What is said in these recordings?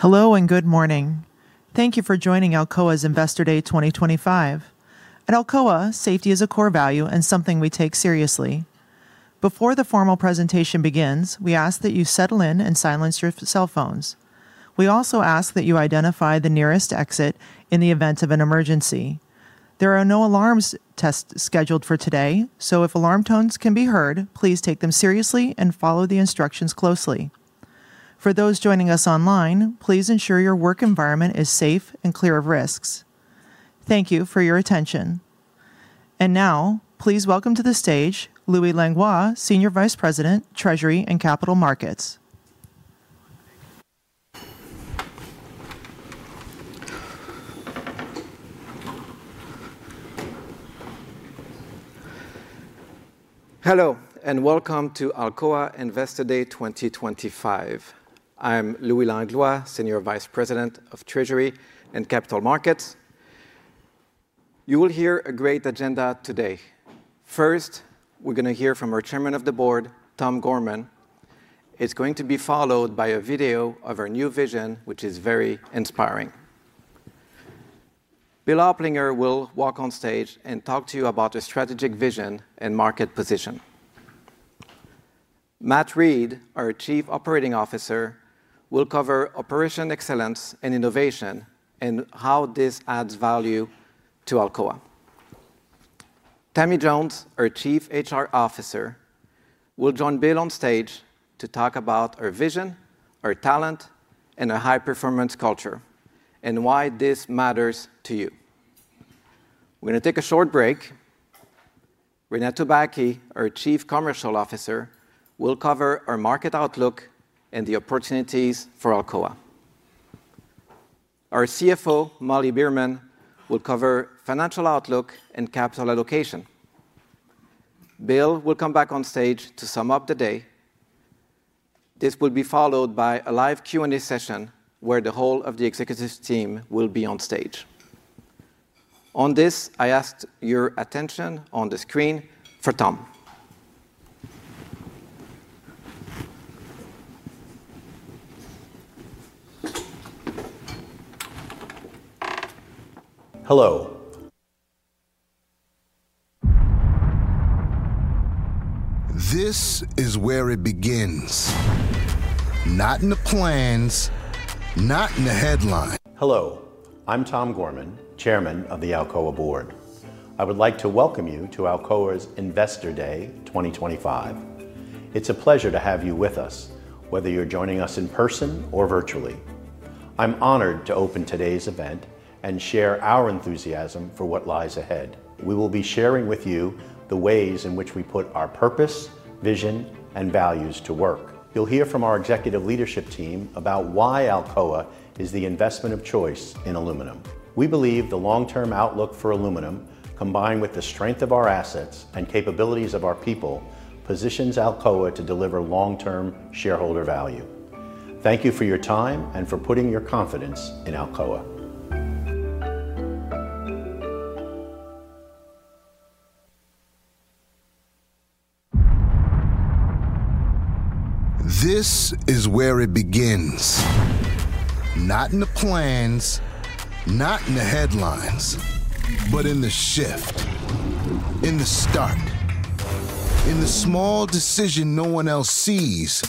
Hello and good morning. Thank you for joining Alcoa's Investor Day 2025. At Alcoa, safety is a core value and something we take seriously. Before the formal presentation begins, we ask that you settle in and silence your cell phones. We also ask that you identify the nearest exit in the event of an emergency. There are no alarm tests scheduled for today, so if alarm tones can be heard, please take them seriously and follow the instructions closely. For those joining us online, please ensure your work environment is safe and clear of risks. Thank you for your attention. Please welcome to the stage, Louis Langlois, Senior Vice President, Treasury and Capital Markets. Hello and welcome to Alcoa Investor Day 2025. I'm Louis Langlois, Senior Vice President of. Treasury and Capital Markets. You will hear a great agenda today. First, we're going to hear from our. Chairman of the Board, Tom Gorman. It's going to be followed by a. Video of our new vision, which is very inspiring. William Oplinger will walk on stage and talk to you about his strategic vision and market position. Matthew Reed, our Chief Operating Officer, will cover operation, excellence, and innovation and how. This adds value to Alcoa Corporation. Tammi Jones, our Chief Human Resources Officer, will join Bill on stage to talk about our vision, our talent, and our high. Performance culture and why this matters to you. We're going to take a short break. Molly Beerman, our Chief Financial Officer, will cover our market outlook and the opportunities for Alcoa. Our CFO, Molly Beerman, will cover financial. Outlook and capital allocation. Bill will come back on stage to sum up the day. This will be followed by a live Q&A session where the whole. The executive team will be on stage on this. I ask your attention on the screen for Tom. Hello. This is where it begins. Not in the plans, not in the headline. Hello, I'm Tom Gorman, Chairman of the Alcoa Board. I would like to welcome you to Alcoa's Investor Day 2025. It's a pleasure to have you with us, whether you're joining us in person or virtually. I'm honored to open today's event and share our enthusiasm for what lies ahead. We will be sharing with you the ways in which we put our purpose. Vision and values to work. You'll hear from our executive leadership team. About why Alcoa is the investment of choice in aluminum. We believe the long term outlook for. Aluminum combined with the strength of our. Assets and capabilities of our people positions. Alcoa to deliver long-term shareholder value. Thank you for your time and for putting your confidence in Alcoa. This is where it begins. Not in the plans, not in the headlines, but in the shift in the start. In the small decision no one else sees,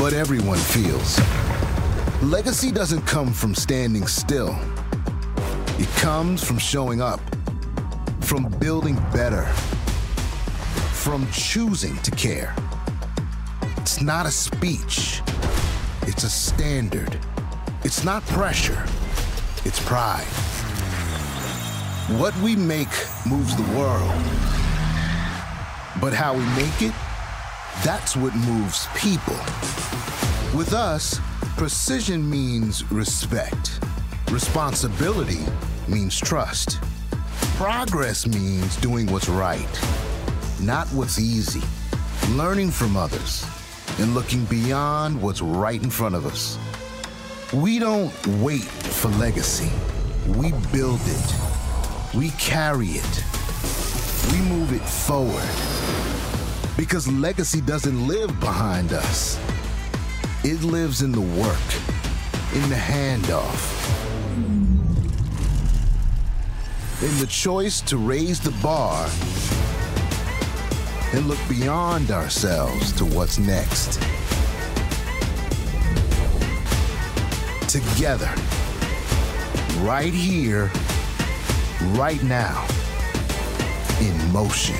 but everyone feels. Legacy doesn't come from standing still. It comes from showing up, from building better, from choosing to care. It's not a speech, it's a standard. It's not pressure, it's pride. What we make moves the world, but how we make it, that's what moves people. With us, precision means respect. Responsibility means trust. Progress means doing what's right, not what's easy. Learning from others and looking beyond what's right in front of us. We don't wait for legacy. We build it. We carry it. We move it forward. Because legacy doesn't live behind us. It lives in the work, in the handoff, in the choice to raise the bar and look beyond ourselves to what's next. Together, right here, right now, in motion,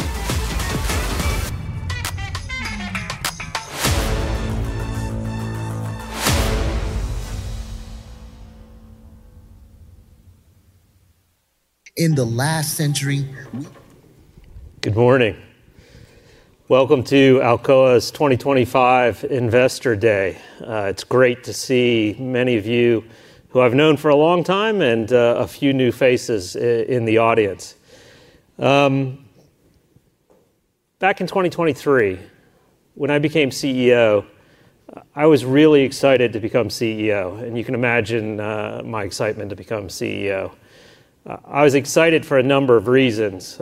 in the last century. Good morning. Welcome to Alcoa Corporation's 2025 Investor Day. It's great to see many of you who I've known for a long time and a few new faces in the audience. Back in 2023, when I became CEO, I was really excited to become CEO. You can imagine my excitement to become CEO. I was excited for a number of reasons.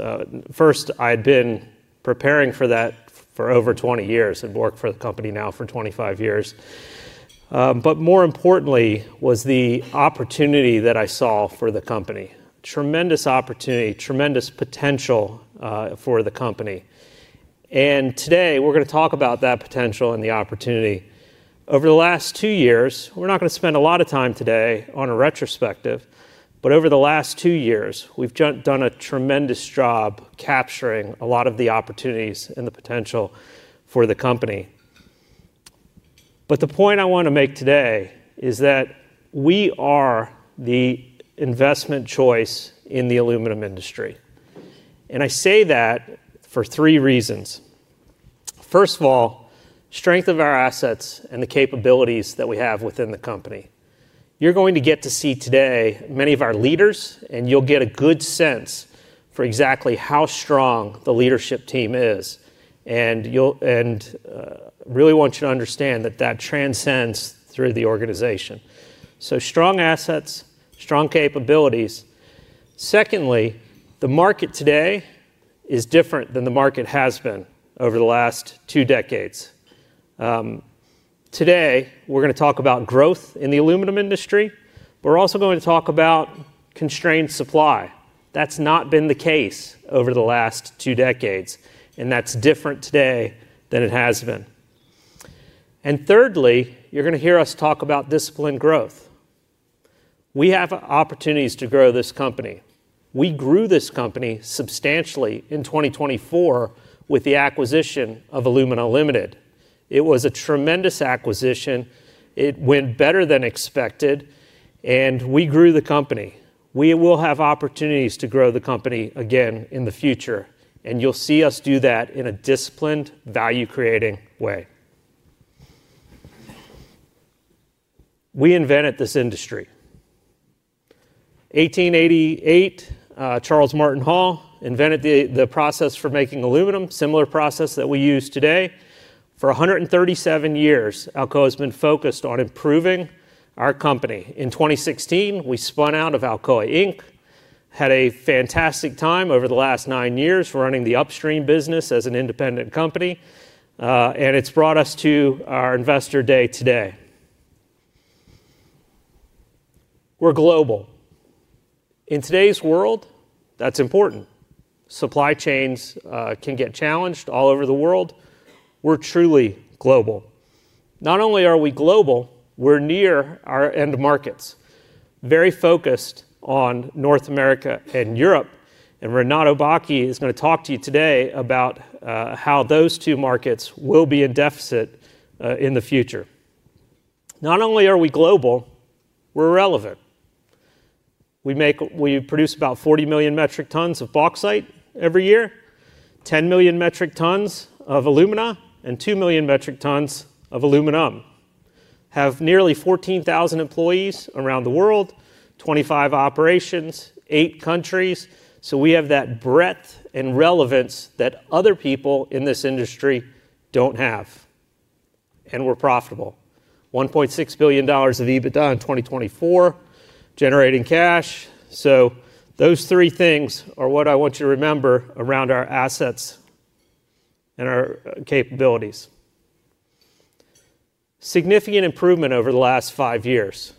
First, I had been preparing for that for over 20 years and worked for the company now for 25 years. More importantly was the opportunity that I saw for the company. Tremendous opportunity, tremendous potential for the company. Today we're going to talk about that potential and the opportunity over the last two years. We're not going to spend a lot of time today on a retrospective, but over the last two years, we've done a tremendous job capturing a lot of the opportunities and the potential for the company. The point I want to make today is that we are the investment choice in the aluminum industry. I say that for three reasons. First of all, strength of our assets and the capabilities that we have within the company. You're going to get to see today many of our leaders and you'll get a good sense for exactly how strong the leadership team is. I really want you to understand that that transcends through the organization. Strong assets, strong capabilities. Secondly, the market today is different than the market has been over the last two decades. Today we're going to talk about growth in the aluminum industry. We're also going to talk about constrained supply. That's not been the case over the last two decades, and that's different today than it has been. Thirdly, you're going to hear us talk about disciplined growth. We have opportunities to grow this company. We grew this company substantially in 2024 with the acquisition of Alumina Limited. It was a tremendous acquisition. It went better than expected and we grew the company. We will have opportunities to grow the company again in the future and you'll see us do that in a disciplined, value creating way. We invented this industry in 1888. Charles Martin Hall invented the process for making aluminum, similar process that we use today. For 137 years, Alcoa Corporation has been focused on improving our company. In 2016, we spun out of Alcoa Inc. Had a fantastic time over the last nine years running the upstream business as an independent company. It's brought us to our Investor Day today. We're global. In today's world, that's important. Supply chains can get challenged all over the world. We're truly global. Not only are we global, we're near our end markets, very focused on North America and Europe. Renato Baki is going to talk to you today about how those two markets will be in deficit in the future. Not only are we global, we're relevant. We produce about 40 million metric tons of bauxite every year, 10 million metric tons of alumina, and 2 million metric tons of aluminum. We have nearly 14,000 employees around the world, 25 operations, 8 countries. We have that breadth and relevance that other people in this industry don't have. We're profitable. $1.6 billion of EBITDA in 2024 generating cash. Those three things are what I want you to remember around our assets and our capabilities. Significant improvement over the last five years.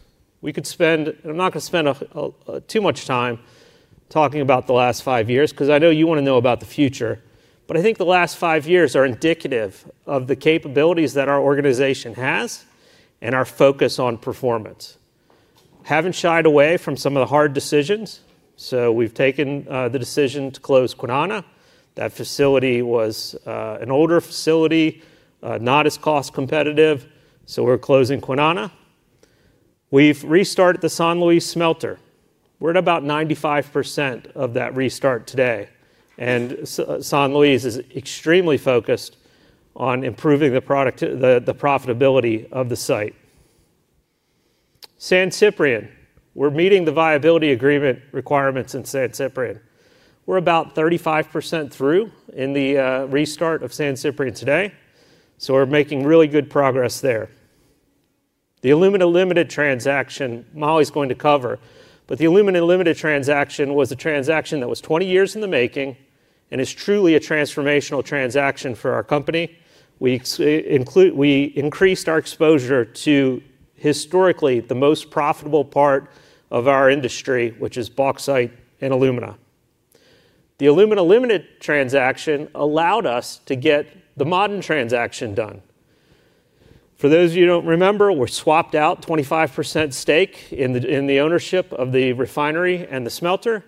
I'm not going to spend too much time talking about the last five years because I know you want to know about the future. I think the last five years are indicative of the capabilities that our organization has and our focus on performance. Haven't shied away from some of the hard decisions. We've taken the decision to close Kwinana. That facility was an older facility, not as cost competitive. We're closing Kwinana. We've restarted the San Luis smelter. We're at about 95% of that restart today, and San Luis is extremely focused on improving the product, the profitability of the site. San Ciprián, we're meeting the viability agreement requirements in San Ciprián. We're about 35% through in the restart of San Ciprián today. We're making really good progress there. The Alumina Limited transaction, Molly's going to cover. The Alumina Limited transaction was a transaction that was 20 years in the making and is truly a transformational transaction for our company. We increased our exposure to historically the most profitable part of our industry, which is bauxite and alumina. The Alumina Limited transaction allowed us to get the Ma'aden transaction done. For those of you who don't remember, we swapped out 25% stake in the ownership of the refinery and the smelter,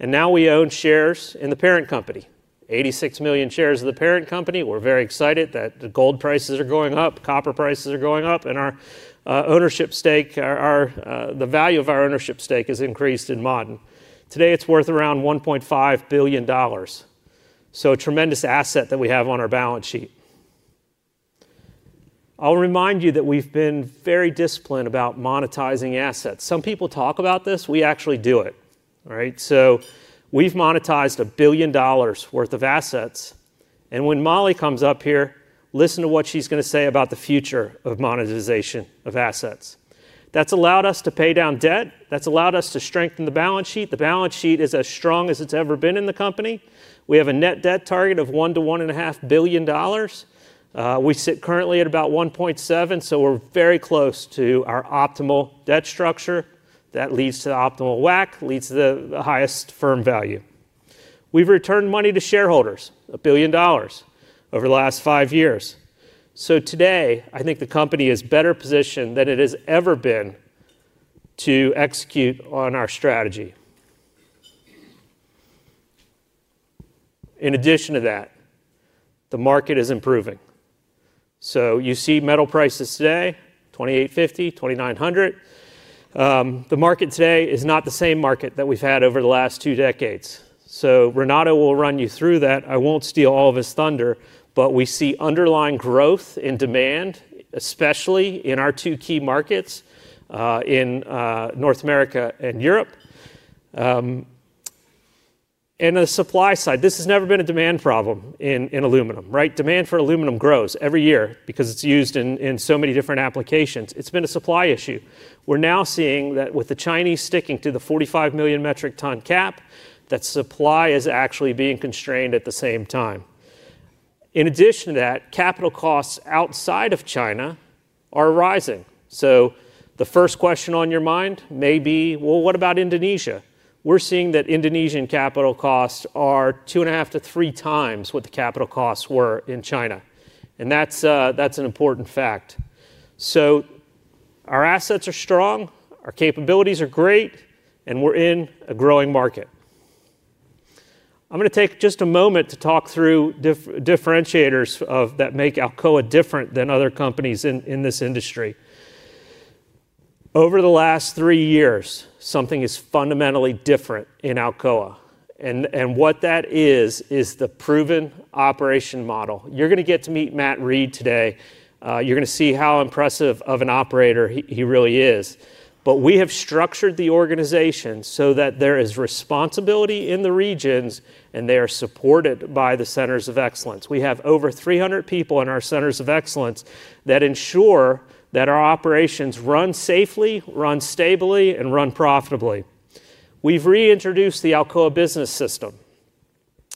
and now we own shares in the parent company. 86 million shares of the parent company. We're very excited that gold prices are going up, copper prices are going up, and our ownership stake, the value of our ownership stake has increased in Ma'aden today. It's worth around $1.5 billion. A tremendous asset that we have on our balance sheet. I'll remind you that we've been very disciplined about monetizing assets. Some people talk about this. We actually do it. We've monetized $1 billion worth of assets. When Molly comes up here, listen to what she's going to say about the future of monetization of assets. That's allowed us to pay down debt. That's allowed us to strengthen the balance sheet. The balance sheet is as strong as it's ever been in the company. We have a net debt target of $1 billion-$1.5 billion. We sit currently at about $1.7 billion. We're very close to our optimal debt structure. That leads to optimal WAC, leads to the highest firm value. We've returned money to shareholders, $1 billion over the last five years. Today, I think the company is better positioned than it has ever been to execute on our strategy. In addition to that, the market is improving. You see metal prices today, $2,852, $2,900. The market today is not the same market that we've had over the last two decades. Renato will run you through that. I won't steal all of his thunder. We see underlying growth in demand, especially in our two key markets in North America and Europe. On the supply side, this has never been a demand problem in aluminum. Demand for aluminum grows every year because it's used in so many different applications. It's been a supply issue. We're now seeing that with the Chinese sticking to the 45 million metric ton cap, supply is actually being constrained at the same time. In addition to that, capital costs outside of China are rising. The first question on your mind may be, what about Indonesia? We're seeing that Indonesian capital costs are two and a half to three times what the capital costs were in China. That's an important fact. Our assets are strong, our capabilities are great, and we're in a growing market. I'm going to take just a moment to talk through differentiators that make Alcoa different than other companies in this industry over the last three years. Something is fundamentally different in Alcoa, and what that is is the proven operation model. You're going to get to meet Matt Reed today. You're going to see how impressive of an operator he really is. We have structured the organization so that there is responsibility in the regions and they are supported by the centers of excellence. We have over 300 people in our centers of excellence that ensure that our operations run safely, run stably, and run profitably. We've reintroduced the Alcoa Business System.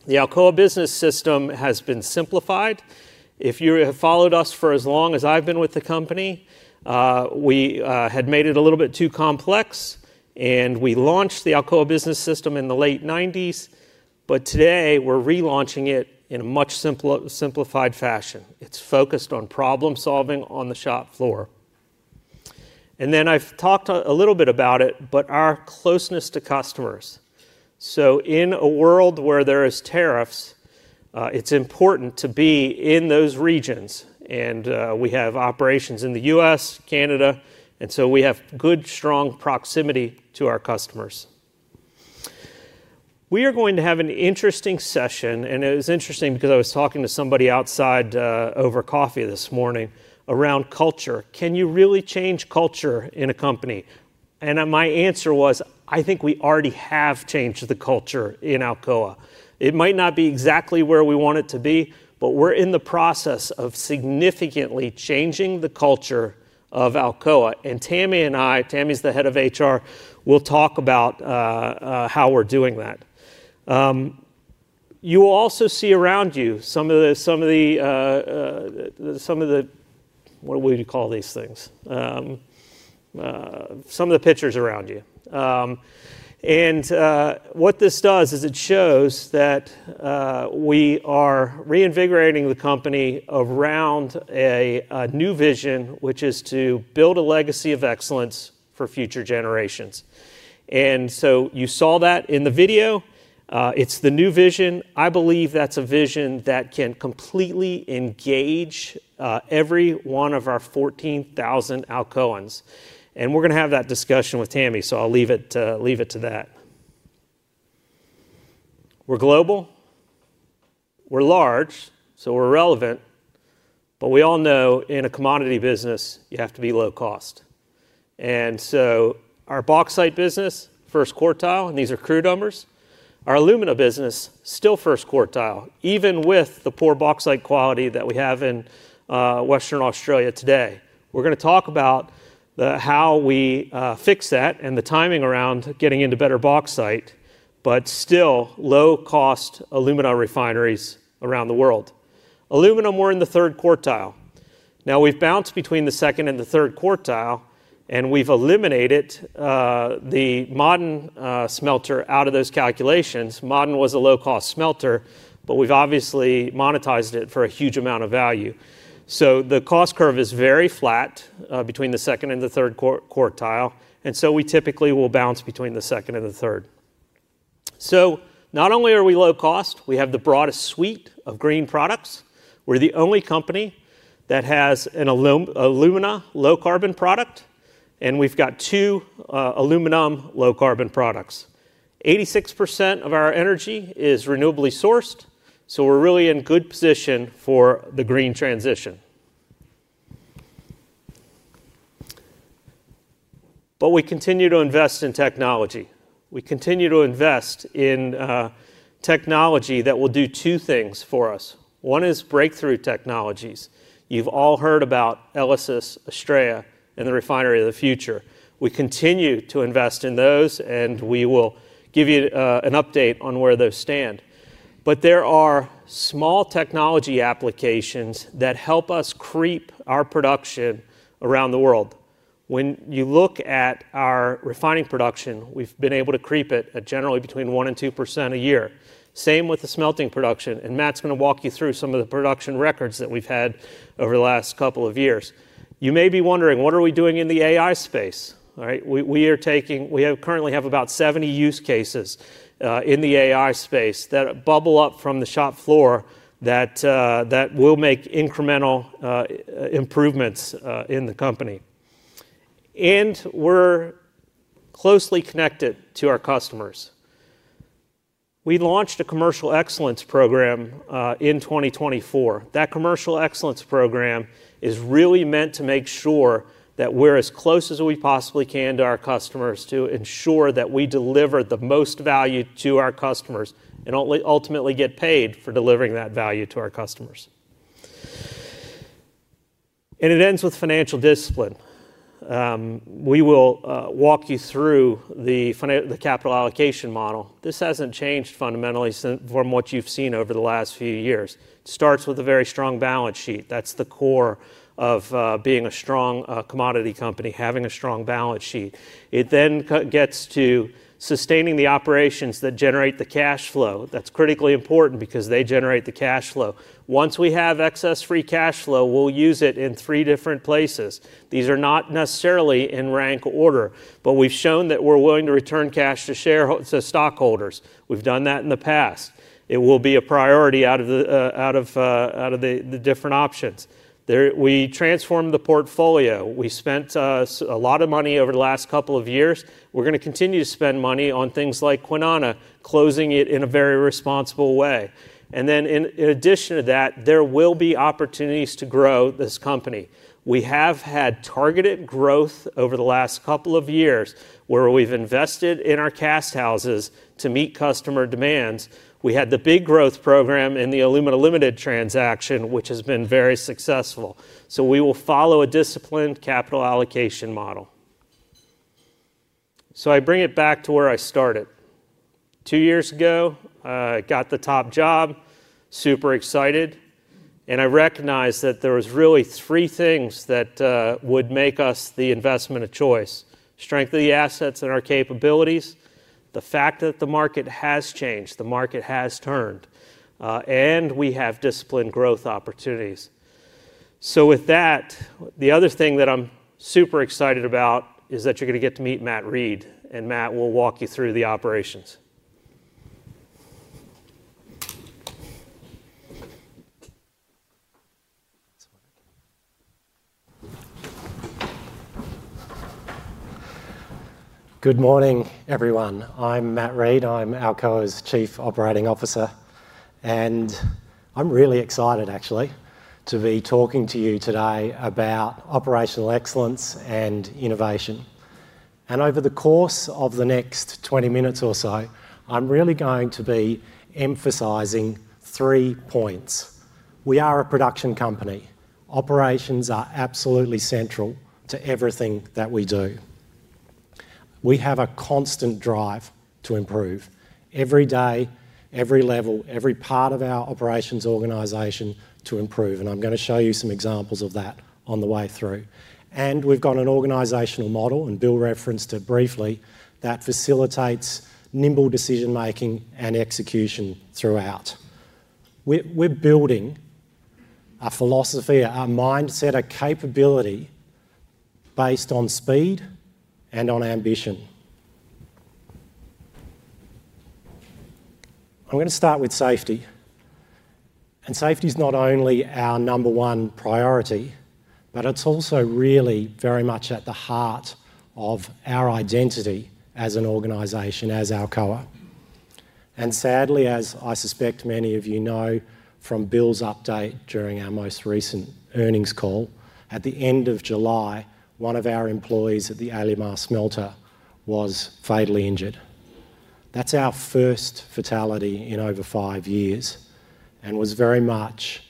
The Alcoa Business System has been simplified. If you have followed us for as long as I've been with the company, we had made it a little bit too complex. We launched the Alcoa Business System in the late 1990s. Today we're relaunching it in a much simplified fashion. It's focused on problem solving on the shop floor. I've talked a little bit about it, but our closeness to customers. In a world where there are tariffs, it's important to be in those regions. We have operations in the U.S., Canada, and so we have good, strong proximity to our customers. We are going to have an interesting session. It was interesting because I was talking to somebody outside over coffee this morning around culture. Can you really change culture in a company? My answer was, I think we already have changed the culture in Alcoa. It might not be exactly where we want it to be, but we're in the process of significantly changing the culture of Alcoa. Tammi and I, Tammi's the Head of HR, will talk about how we're doing that. You will also see around you some of the—what would you call these things—some of the pictures around you. What this does is it shows that we are reinvigorating the company around a new vision, which is to build a legacy of excellence for future generations. You saw that in the video. It's the new vision. I believe that's a vision that can completely engage every one of our 14,000 Alcoans. We're going to have that discussion with Tammi. I'll leave it to that. We're global, we're large, so we're relevant. We all know in a commodity business you have to be low cost. Our bauxite business is first quartile, and these are crude numbers. Our alumina business is still first quartile, even with the poor bauxite quality that we have in Western Australia today. We're going to talk about how we fix that and the timing around getting into better bauxite, but still low cost alumina refineries around the world. Aluminum, we're in the third quartile now. We've bounced between the second and the third quartile and we've eliminated the Moden smelter out of those calculations. Moden was a low cost smelter, but we've obviously monetized it for a huge amount of value. The cost curve is very flat between the second and the third quartile. We typically will bounce between the second and the third. Not only are we low cost, we have the broadest suite of green products. We're the only company that has an alumina low-carbon product, and we've got two aluminum low-carbon products. 86% of our energy is renewably sourced. We're really in good position for the green transition. We continue to invest in technology. We continue to invest in technology that will do two things for us. One is breakthrough technologies. You've all heard about Elysis, Astraea, and the refinery of the future. We continue to invest in those, and we will give you an update on where those stand. There are small technology applications that help us creep our production around the world. When you look at our refining production, we've been able to creep it generally between 1% and 2% a year, same with the smelting production. Matt's going to walk you through some of the production records that we've had over the last couple of years. You may be wondering what are we doing in the AI space, right? We currently have about 70 use cases in the AI space that bubble up from the shop floor that will make incremental improvements in the company. We're closely connected to our customers. We launched a Commercial Excellence program in 2024. That Commercial Excellence program is really meant to make sure that we're as close as we possibly can to our customers, to ensure that we deliver the most value to our customers and ultimately get paid for delivering that value to our customers. It ends with financial discipline. We will walk you through the capital allocation model. This hasn't changed fundamentally from what you've seen over the last few years. It starts with a very strong balance sheet. That's the core of being a strong commodity company, having a strong balance sheet. It then gets to sustaining the operations that generate the cash flow. That's critically important because they generate the cash flow. Once we have excess free cash flow, we'll use it in three different places. These are not necessarily in rank order, but we've shown that we're willing to return cash to shareholders, stockholders. We've done that in the past. It will be a priority out of the different options. We transform the portfolio. We spent a lot of money over the last couple of years. We're going to continue to spend money on things like Kwinana, closing it in a very responsible way. In addition to that, there will be opportunities to grow this company. We have had targeted growth over the last couple of years where we've invested in our cast houses to meet customer demands. We had the big growth program in the Alumina Limited transaction, which has been very successful. We will follow a disciplined capital allocation model. I bring it back to where I started two years ago, got the top job, super excited. I recognized that there were really three things that would make us the investment of choice: strength of the assets and our capabilities, the fact that the market has changed, the market has turned, and we have disciplined growth opportunities. The other thing that I'm super excited about is that you're going to get to meet Matt Reed, and Matt will walk you through the operations. Good morning, everyone. I'm Matthew Reed, I'm Alcoa's Chief Operating Officer and I'm really excited, actually, to be talking to you today about operational excellence and innovation. Over the course of the next 20 minutes or so, I'm really going to be emphasizing three points. We are a production company. Operations are absolutely central to everything that we do. We have a constant drive to improve every day, every level, every part of our operations organization to improve. I'm going to show you some examples of that on the way through. We've got an organizational model, and Bill referenced it briefly, that facilitates nimble decision making and execution throughout. We're building a philosophy, a mindset, a capability based on speed and on ambition. I'm going to start with safety. Safety is not only our number one priority, but it's also really very much at the heart of our identity as an organization, as Alcoa. Sadly, as I suspect many of you know from Bill's update during our most recent earnings call at the end of July, one of our employees at the Alumar Mass Melter was fatally injured. That's our first fatality in over five years and was very much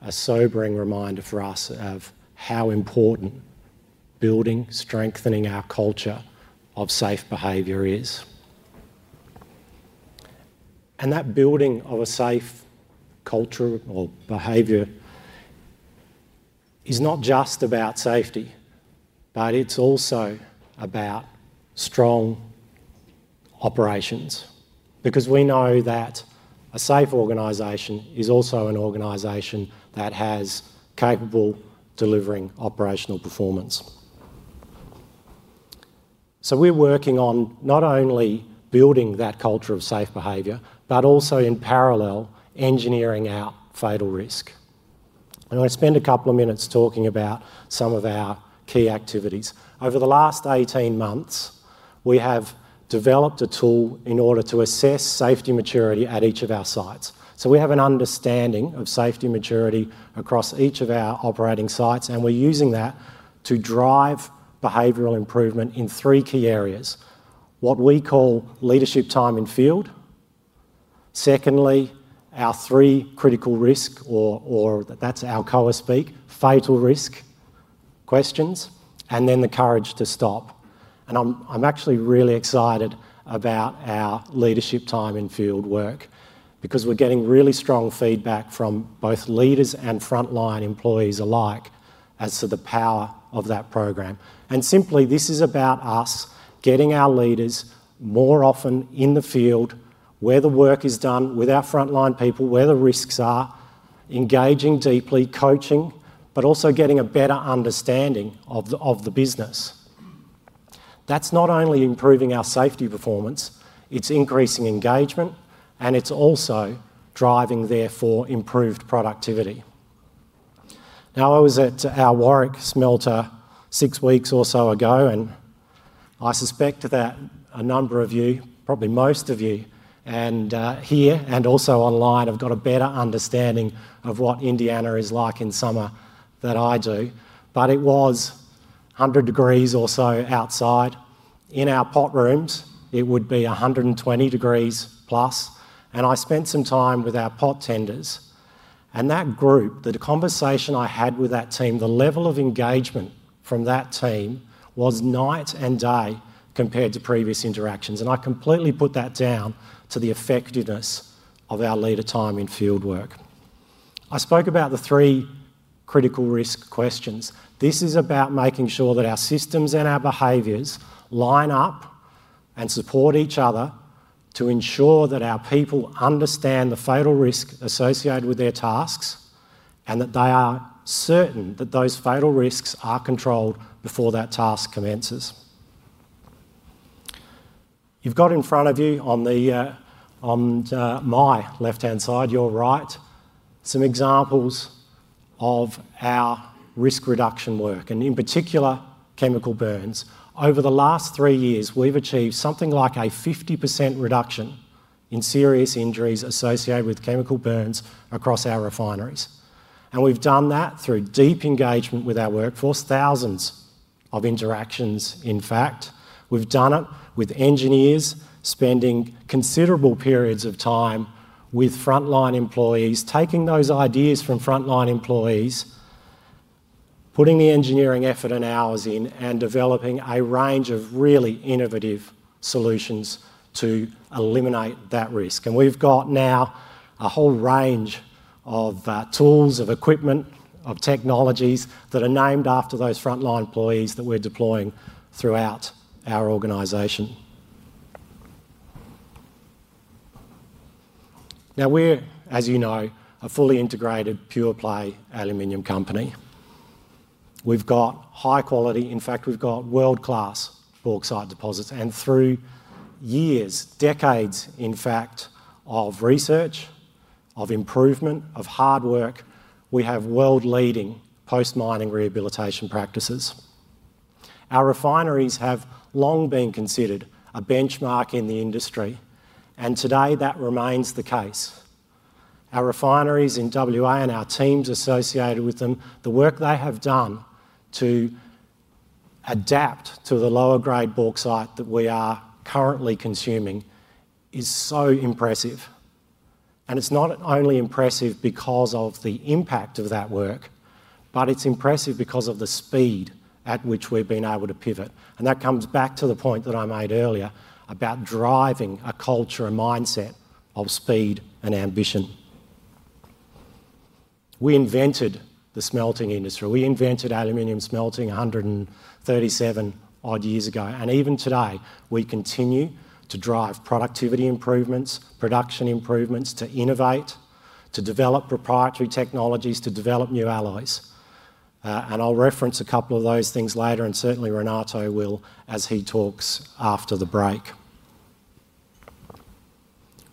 a sobering reminder for us of how important building, strengthening our culture of safe behavior is. That building of a safe culture or behavior is not just about safety, but it's also about strong operations because we know that a safe organization is also an organization that has capable, delivering operational performance. We're working on not only building that culture of safe behavior, but also in parallel, engineering out fatal risk. I'm going to spend a couple of minutes talking about some of our key activities. Over the last 18 months we have developed a tool in order to assess safety maturity at each of our sites. We have an understanding of safety maturity across each of our operating sites and we're using that to drive behavioral improvement in three key areas: what we call leadership time in field, our three critical risk, or that's Alcoa speak, fatal risk questions, and then the courage to stop. I'm actually really excited about our leadership time in field work because we're getting really strong feedback from both leaders and frontline employees alike as to the power of that program. This is about us getting our leaders more often in the field, where the work is done with our frontline people, where the risks are engaging, deeply coaching, but also getting a better understanding of the business. That is not only improving our safety performance, it is increasing engagement and it is also driving, therefore, improved productivity. I was at our Warwick Smelter six weeks or so ago and I suspect that a number of you, probably most of you here and also online, have got a better understanding of what Indiana is like in summer than I do. It was 100 degrees or so outside and in our pot rooms it would be 120+ degrees. I spent some time with our pot tenders and that group. The conversation I had with that team, the level of engagement from that team was night and day compared to previous interactions. I completely put that down to the effectiveness of our leader time in field work. I spoke about the three critical risk questions. This is about making sure that our systems and our behaviors line up and support each other to ensure that our people understand the fatal risk associated with their tasks and that they are certain that those fatal risks are controlled before that task commences. You have got in front of you on my left hand side, your right, some examples of our risk reduction work and in particular chemical burns. Over the last three years we have achieved something like a 50% reduction in serious injuries associated with chemical burns across our refineries. We have done that through deep engagement with our workforce, thousands of interactions. In fact, we have done it with engineers spending considerable periods of time with frontline employees, taking those ideas from frontline employees, putting the engineering effort and hours in and developing a range of really innovative solutions to eliminate that risk. We have now a whole range of tools, equipment, and technologies that are named after those frontline employees that we are deploying throughout our organization now. We are, as you know, a fully integrated, pure play aluminum company. We have got high quality, in fact, we have got world class bauxite deposits. Through years, decades, in fact, of research, improvement, and hard work, we have world leading post mining rehabilitation practices. Our refineries have long been considered a benchmark in the industry and today that remains the case. Our refineries in WA and our teams associated with them, the work they have done to adapt to the lower grade bauxite that we are currently consuming is so impressive. It's not only impressive because of the impact of that work, but it's impressive because of the speed at which we've been able to pivot. That comes back to the point that I made earlier about driving a culture and mindset of speed and ambition. We invented the smelting industry. We invented aluminum smelting 137-odd years ago. Even today we continue to drive productivity improvements, production improvements, to innovate, to develop proprietary technologies, to develop new alloys. I'll reference a couple of those things later and certainly Renato will as he talks after the break.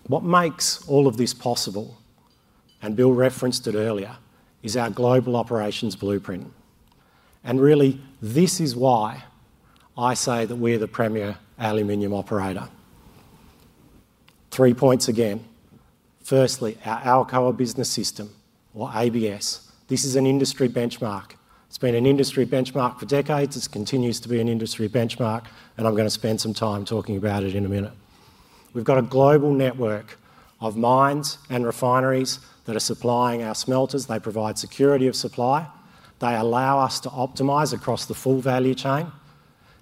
What makes all of this possible, and Bill referenced it earlier, is our global operations blueprint. This is why I say that we're the premier aluminum operator. Three points again. Firstly, our business system, or ABS, this is an industry benchmark. It's been an industry benchmark for decades. It continues to be an industry benchmark and I'm going to spend some time talking about it in a minute. We've got a global network of mines and refineries that are supplying our smelters. They provide security of supply, they allow us to optimize across the full value chain.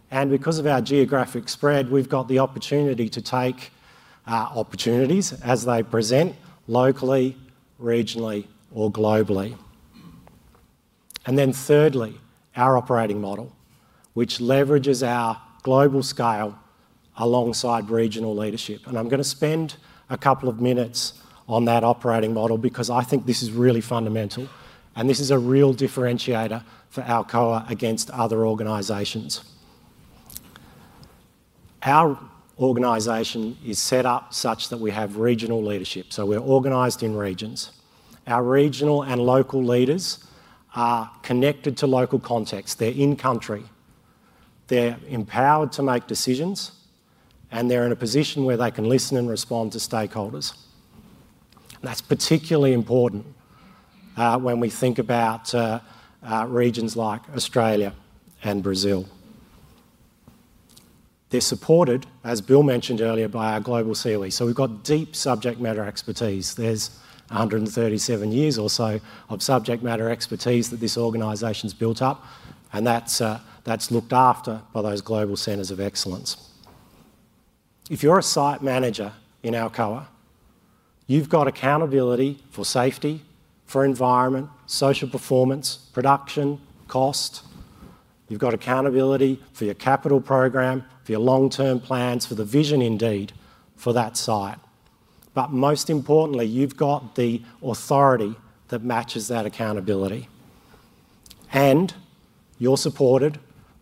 Because of our geographic spread, we've got the opportunity to take opportunities as they present locally, regionally, or globally. Thirdly, our operating model leverages our global scale alongside regional leadership. I'm going to spend a couple of minutes on that operating model because I think this is really fundamental and this is a real differentiator for Alcoa against other organizations. Our organization is set up such that we have regional leadership, so we're organized in regions. Our regional and local leaders are connected to local context, they're in country, they're empowered to make decisions, and they're in a position where they can listen and respond to stakeholders. That's particularly important when we think about regions like Australia and Brazil. They're supported, as Bill mentioned earlier, by our global COE. We've got deep subject matter expertise. There's 137 years or so of subject matter expertise that this organization's built up and that's looked after by those global centers of excellence. If you're a site manager in Alcoa, you've got accountability for safety, for environment, social performance, production cost. You've got accountability for your capital program, for your long term plans, for the vision, indeed for that site. Most importantly, you've got the authority that matches that accountability. You're supported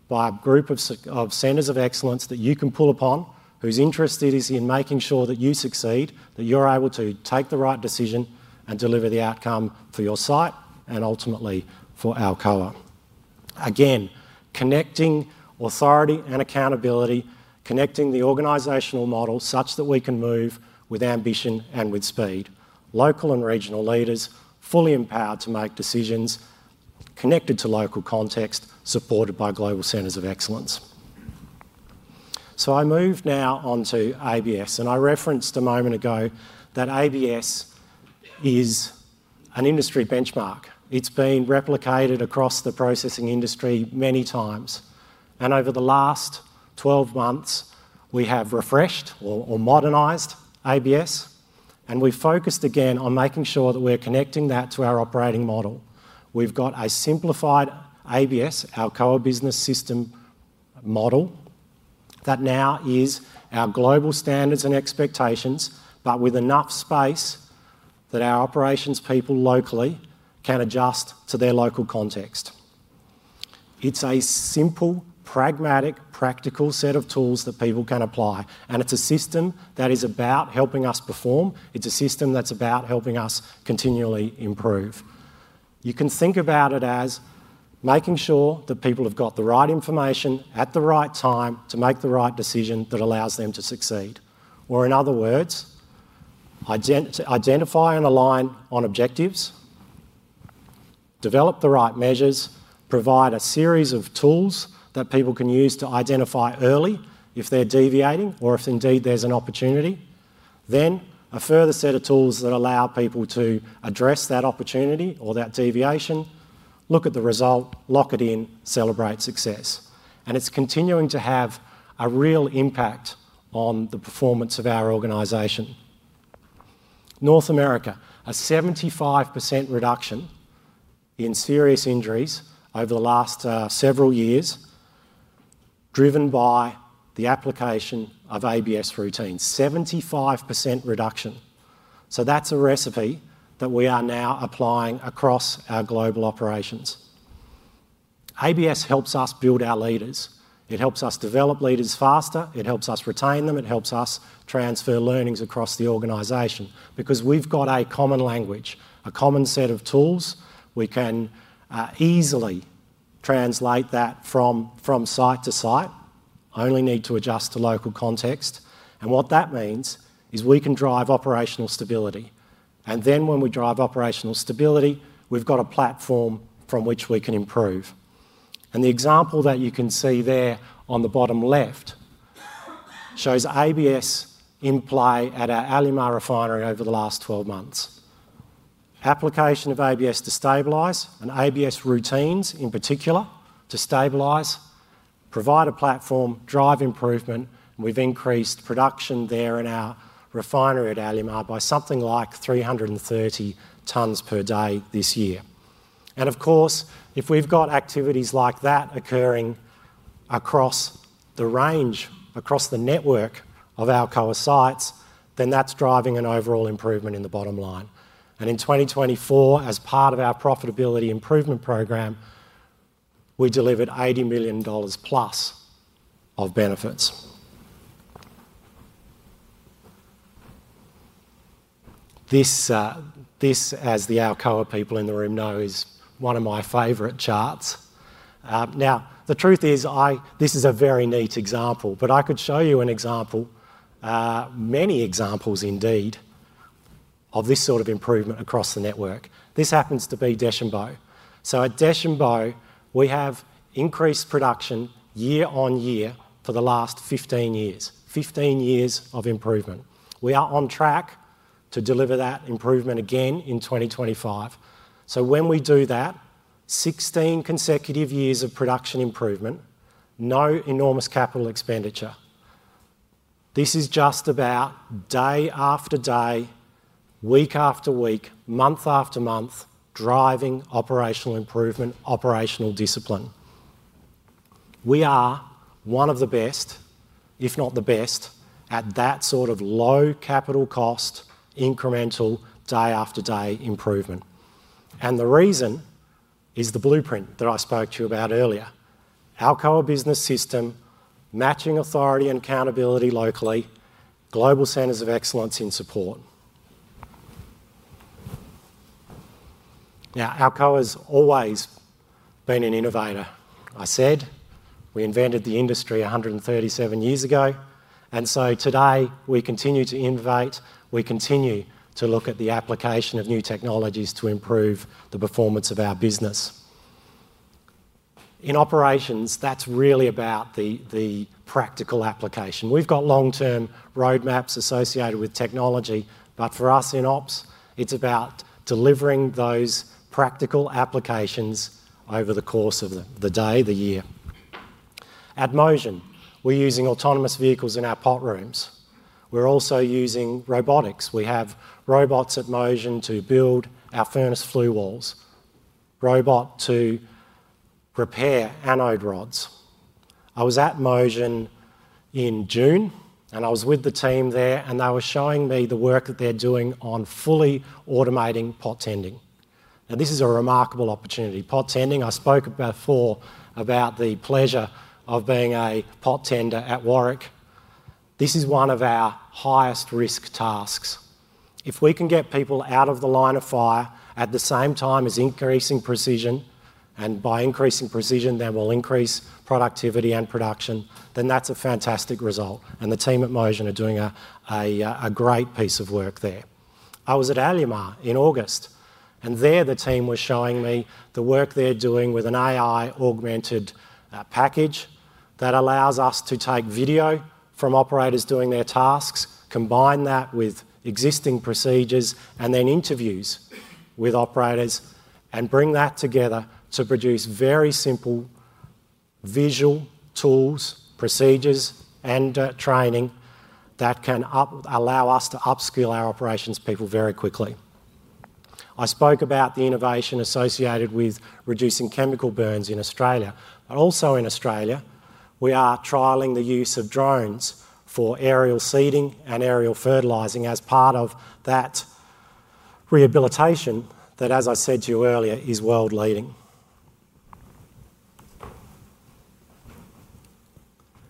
by a group of centers of excellence that you can pull upon whose interest it is in making sure that you succeed, that you're able to take the right decision and deliver the outcome for your site and ultimately for Alcoa. Again, connecting authority and accountability, connecting the organizational model such that we can move with ambition and with speed. Local and regional leaders fully empowered to make decisions connected to local context, supported by global centers of excellence. I move now onto ABS and I referenced a moment ago that ABS is an industry benchmark. It's been replicated across the processing industry many times. Over the last 12 months we have refreshed or modernized ABS and we focused again on making sure that we're connecting that to our operating model. We've got a simplified ABS, our Alcoa Business System model, that now is our global standards and expectations, but with enough space that our operations people locally can adjust to their local context. It's a simple, pragmatic, practical set of tools that people can apply. It's a system that is about helping us perform. It's a system that's about helping us continually improve. You can think about it as making sure that people have got the right information at the right time to make the right decision that allows them to succeed. In other words, identify and align on objectives, develop the right measures, provide a series of tools that people can use to identify early if they're deviating, or if indeed there's an opportunity, then a further set of tools that allow people to address that opportunity or that deviation. Look at the result, lock it in, celebrate success. It's continuing to have a real impact on the performance of our organization. North America, a 75% reduction in serious injuries over the last several years, driven by the application of ABS routines. 75% reduction. That's a recipe that we are now applying across our global operations. ABS helps us build our leaders, it helps us develop leaders faster, it helps us retain them, it helps us transfer learnings across the organization. Because we've got a common language, a common set of tools, we can easily translate that from site to site, only need to adjust to local context. What that means is we can drive operational stability, and when we drive operational stability, we've got a platform from which we can improve. The example that you can see there on the bottom left shows Alcoa Business System in play at our Alumar refinery over the last 12 months. Application of Alcoa Business System to stabilize and Alcoa Business System routines in particular to stabilize, provide a platform, drive improvement. We've increased production there in our refinery at Alumar by something like 330 tonnes per day this year. If we've got activities like that occurring across the range, across the network of our Alcoa sites, then that's driving an overall improvement in the bottom line. In 2024, as part of our profitability improvement program, we delivered $80+ million of benefits. As the Alcoa people in the room know, this is one of my favorite charts. The truth is, this is a very neat example, but I could show you an example, many examples indeed of this sort of improvement across the network. This happens to be Deschambault. At Deschambault, we have increased production year on year for the last 15 years. 15 years of improvement. We are on track to deliver that improvement again in 2025. When we do that, 16 consecutive years of production improvement, no enormous capital expenditure. This is just about day after day, week after week, month after month, driving operational improvement, operational discipline. We are one of the best, if not the best, at that sort of low capital cost, incremental day after day improvement. The reason is the blueprint that I spoke to you about earlier. Alcoa Business System matching authority and accountability locally, global centers of excellence in support. Alcoa's always been an innovator. I said we invented the industry 137 years ago, and today we continue to innovate, we continue to look at the application of new technologies to improve the performance of our business in operations. That's really about the practical application. We've got long-term roadmaps associated with technology, but for us in operations, it's about delivering those practical applications over the course of the day. The year at Mosion, we're using autonomous vehicles in our pot rooms. We're also using robotics. We have robots at Mosion to build our furnace flue walls, robot to repair anode rods. I was at Mosion in June and I was with the team there and they were showing me the work that they're doing on fully automating pot tending. This is a remarkable opportunity, pot tending. I spoke before about the pleasure of being a pot tender at Warwick. This is one of our highest risk tasks. If we can get people out of the line of fire at the same time as increasing precision, and by increasing precision they will increase productivity and production, then that's a fantastic result. The team at Mosion are doing a great piece of work there. I was at Alumar in August and there the team was showing me the work they're doing with an AI augmented package that allows us to take video from operators doing their tasks, combine that with existing procedures and then interviews with operators and bring that together to produce very simple visual tools, procedures and training that can allow us to upskill our operations people very quickly. I spoke about the innovation associated with reducing chemical burns in Australia, but also in Australia, we are trialling the use of drones for aerial seeding and aerial fertilizing as part of that rehabilitation that, as I said to you earlier, is world leading.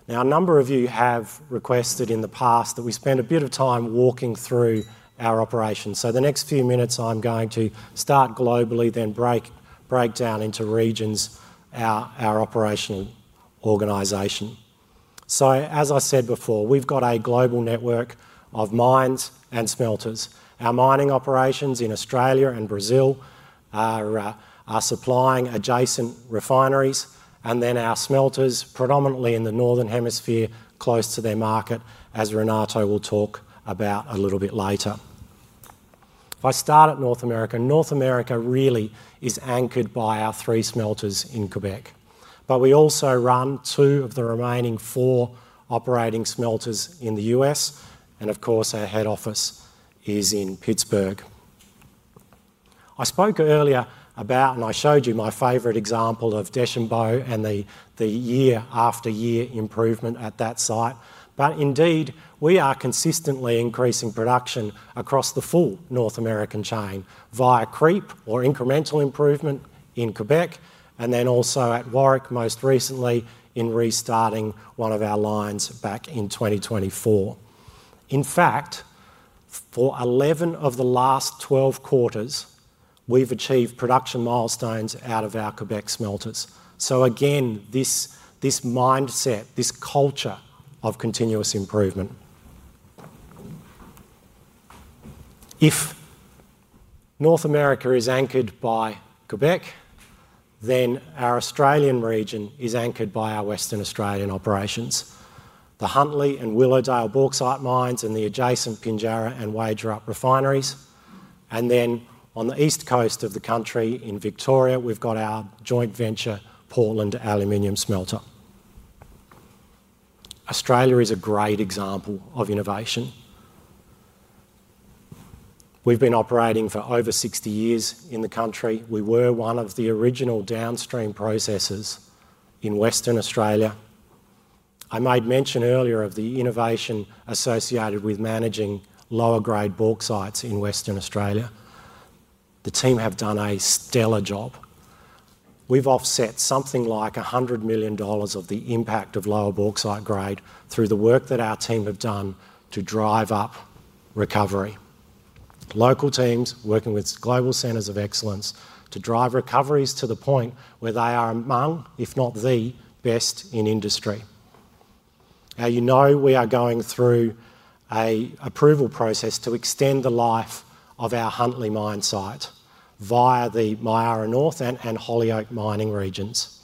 A number of you have requested in the past that we spend a bit of time walking through our operations. The next few minutes I'm going to start globally, then break down into regions, our operational organization. As I said before, we've got a global network of mines and smelters. Our mining operations in Australia and Brazil are supplying adjacent refineries and then our smelters, predominantly in the northern hemisphere, close to their market, as Renato will talk about a little bit later. If I start at North America. North America really is anchored by our three smelters in Quebec, but we also run two of the remaining four operating smelters in the U.S. Of course our head office is in Pittsburgh. I spoke earlier about and I showed you my favorite example of Deschambault and the year after year improvement at that site. Indeed we are consistently increasing production across the full North American chain via creep or incremental improvement in Quebec and then also at Warwick, most recently in restarting one of our lines back in 2024. In fact, for 11 of the last 12 quarters, we've achieved production milestones out of our Quebec smelters. Again, this mindset, this culture of continuous improvement. If North America is anchored by Quebec, then our Australian region is anchored by our Western Australian operations, the Huntley and Willowdale bauxite mines and the adjacent Pinjarra and Wagerup refineries. On the east coast of the country in Victoria, we've got our joint venture, Portland Aluminium Smelter. Australia is a great example of innovation. We've been operating for over 60 years in the country. We were one of the original downstream processes in Western Australia. I made mention earlier of the innovation associated with managing lower grade bauxites in Western Australia. The team have done a stellar job. We've offset something like $100 million of the impact of lower bauxite grade through the work that our team have done to drive up recovery. Local teams working with global centers of excellence to drive recoveries to the point where they are among, if not the best in industry. We are going through an approval process to extend the life of our Huntley mine site via the Myara North and Holyoake mining regions.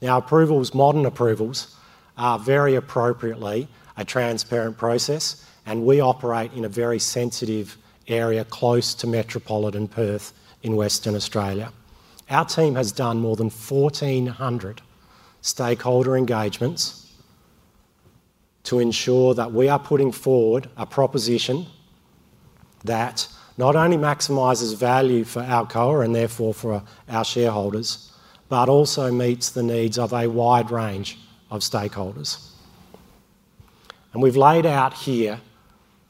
Approvals, modern approvals, are very appropriately a transparent process and we operate in a very sensitive area close to metropolitan Perth in Western Australia. Our team has done more than 1,400 stakeholder engagements to ensure that we are putting forward a proposition that not only maximizes value for Alcoa and therefore for our shareholders, but also meets the needs of a wide range of stakeholders. We've laid out here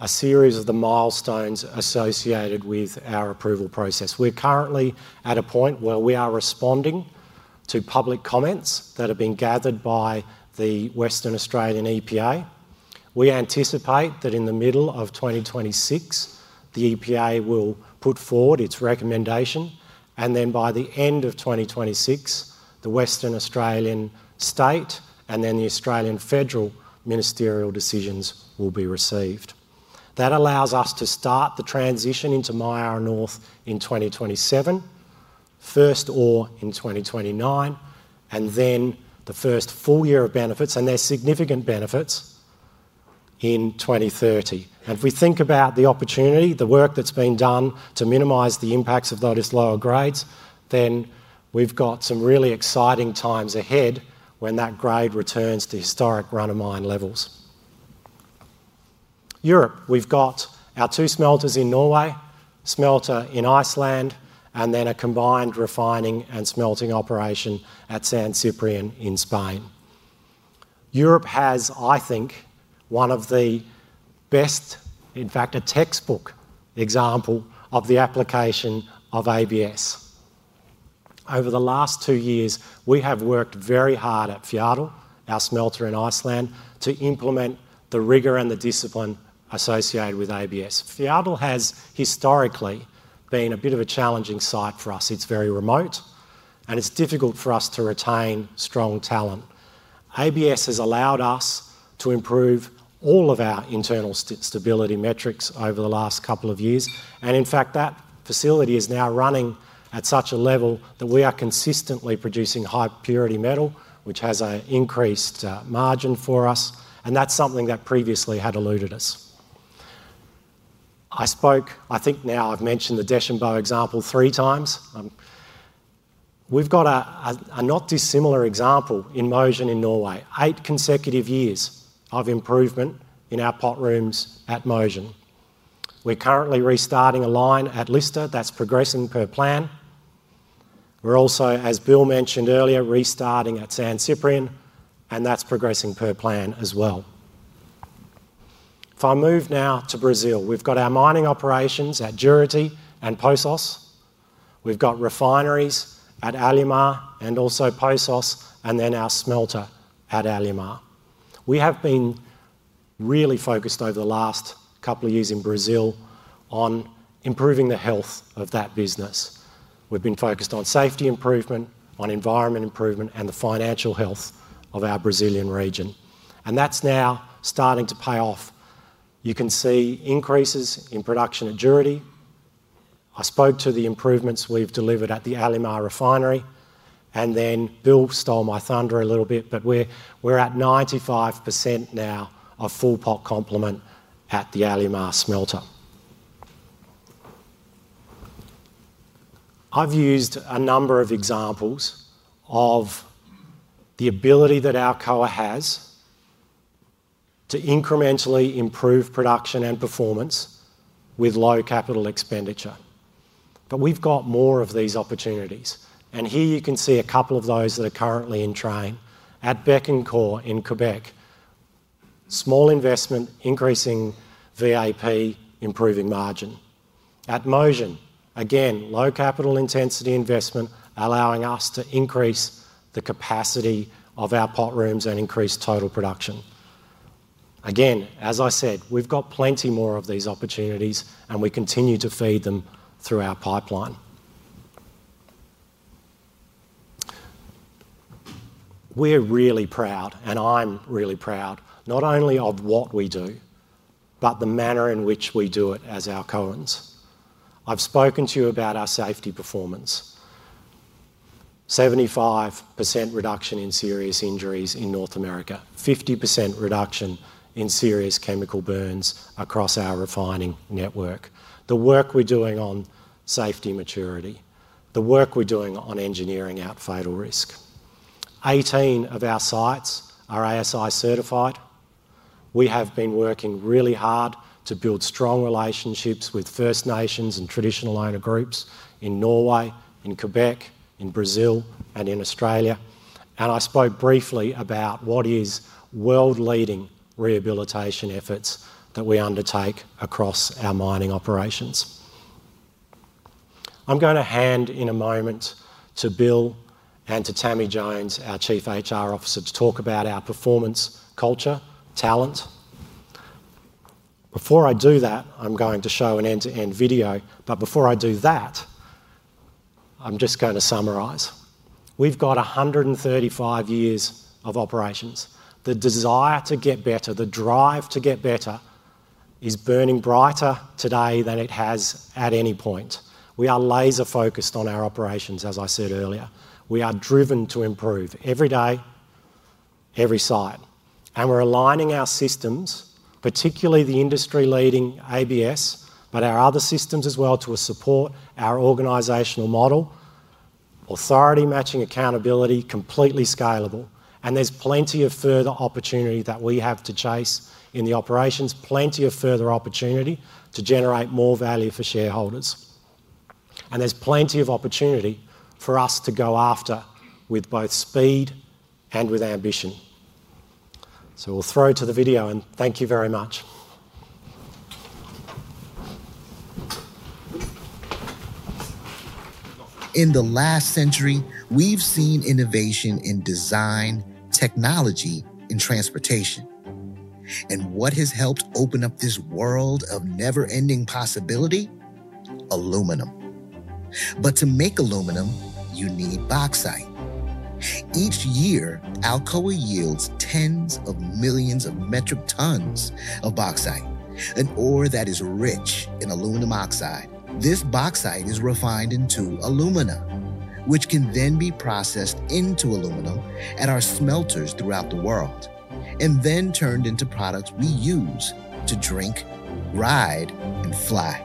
a series of the milestones associated with our approval process. We're currently at a point where we are responding to public comments that have been gathered by the Western Australian EPA. We anticipate that in the middle of 2026 the EPA will put forward its recommendation and then by the end of 2026 the Western Australian State and then the Australian Federal ministerial decisions will be received. That allows us to start the transition into Myara North in 2027 or in 2029 and then the first full year of benefits, and there's significant benefits in 2030. If we think about the opportunity, the work that's been done to minimize the impacts of those lower grades, then we've got some really exciting times ahead when that grade returns to historic run-of-mine levels. In Europe, we've got our two smelters in Norway, a smelter in Iceland, and then a combined refining and smelting operation at San Cyprian in Spain. Europe has, I think, one of the best, in fact a textbook example of the application of ABS. Over the last two years, we have worked very hard at Fjardaal, our smelter in Iceland, to implement the rigor and the discipline associated with ABS. Fjardaal has historically been a bit of a challenging site for us. It's very remote and it's difficult for us to retain strong talent. ABS has allowed us to improve all of our internal stability metrics over the last couple of years, and in fact that facility is now running at such a level that we are consistently producing high purity metal, which has an increased margin for us. That's something that previously had eluded us. I spoke, I think now I've mentioned the Deschambault example three times. We've got a not dissimilar example in Mosjøen in Norway. Eight consecutive years of improvement in our pot rooms at Mosjøen. We're currently restarting a line at Lista that's progressing per plan. We're also, as Bill mentioned earlier, restarting at San Ciprián and that's progressing per plan as well. If I move now to Brazil, we've got our mining operations at Juruti and Poços. We've got refineries at Alumar and also Poços, and then our smelter at Alumar. We have been really focused over the last couple of years in Brazil on improving the health of that business. We've been focused on safety improvement, on environment improvement, and the financial health of our Brazilian region. That's now starting to pay off. You can see increases in production agility. I spoke to the improvements we've delivered at the Alumar refinery, and then Bill stole my thunder a little bit. We're at 95% now of full pot complement at the Alumar smelter. I've used a number of examples of the ability that Alcoa has to incrementally improve production and performance with low capital expenditure. We've got more of these opportunities, and here you can see a couple of those that are currently in train at Baie-Comeau and Bécancour in Quebec. Small investment here, increasing VAP, improving margin at Mosjøen, again, low capital intensity investment, allowing us to increase the capacity of our pot rooms and increase total production. As I said, we've got plenty more of these opportunities and we continue to feed them through our pipeline. We're really proud, and I'm really proud not only of what we do, but the manner in which we do it. As our colleagues, I've spoken to you about our safety performance. 75% reduction in serious injuries in North America. 50% reduction in serious chemical burns across our refining network. The work we're doing on safety maturity, the work we're doing on engineering out fatal risk. 18 of our sites are ASI certified. We have been working really hard to build strong relationships with First Nations and traditional owner groups in Norway, in Quebec, in Brazil, and in Australia. I spoke briefly about what is world leading rehabilitation efforts that we undertake across our mining operations. I'm going to hand in a moment to Bill and to Tammi Jones, our Chief Human Resources Officer, to talk about our performance culture, talent. Before I do that, I'm going to show an end to end video. Before I do that, I'm just going to summarize. We've got 135 years of operations. The desire to get better, the drive to get better is burning brighter today than it has at any point. We are laser focused on our operations. As I said earlier, we are driven to improve every day, every site. We're aligning our systems, particularly the industry leading Alcoa Business System, but our other systems as well, to support our organizational model, authority matching, accountability, completely scalable. There's plenty of further opportunity that we have to chase in the operations, plenty of further opportunity to generate more value for shareholders. There's plenty of opportunity for us to go after with both speed and with ambition. We'll throw to the video and thank you very much. In the last century we've seen innovation in design, technology, and transportation. What has helped open up this world of never ending possibility? Aluminum. To make aluminum, you need bauxite. Each year, Alcoa yields tens of millions of metric tons of bauxite, an ore that is rich in aluminum oxide. This bauxite is refined into alumina, which can then be processed into aluminum at our smelters throughout the world and then turned into products we use to drink, ride, and fly.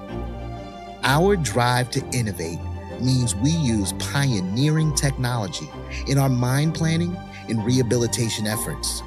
Our drive to innovate means we use pioneering technology in our mine planning and rehabilitation efforts.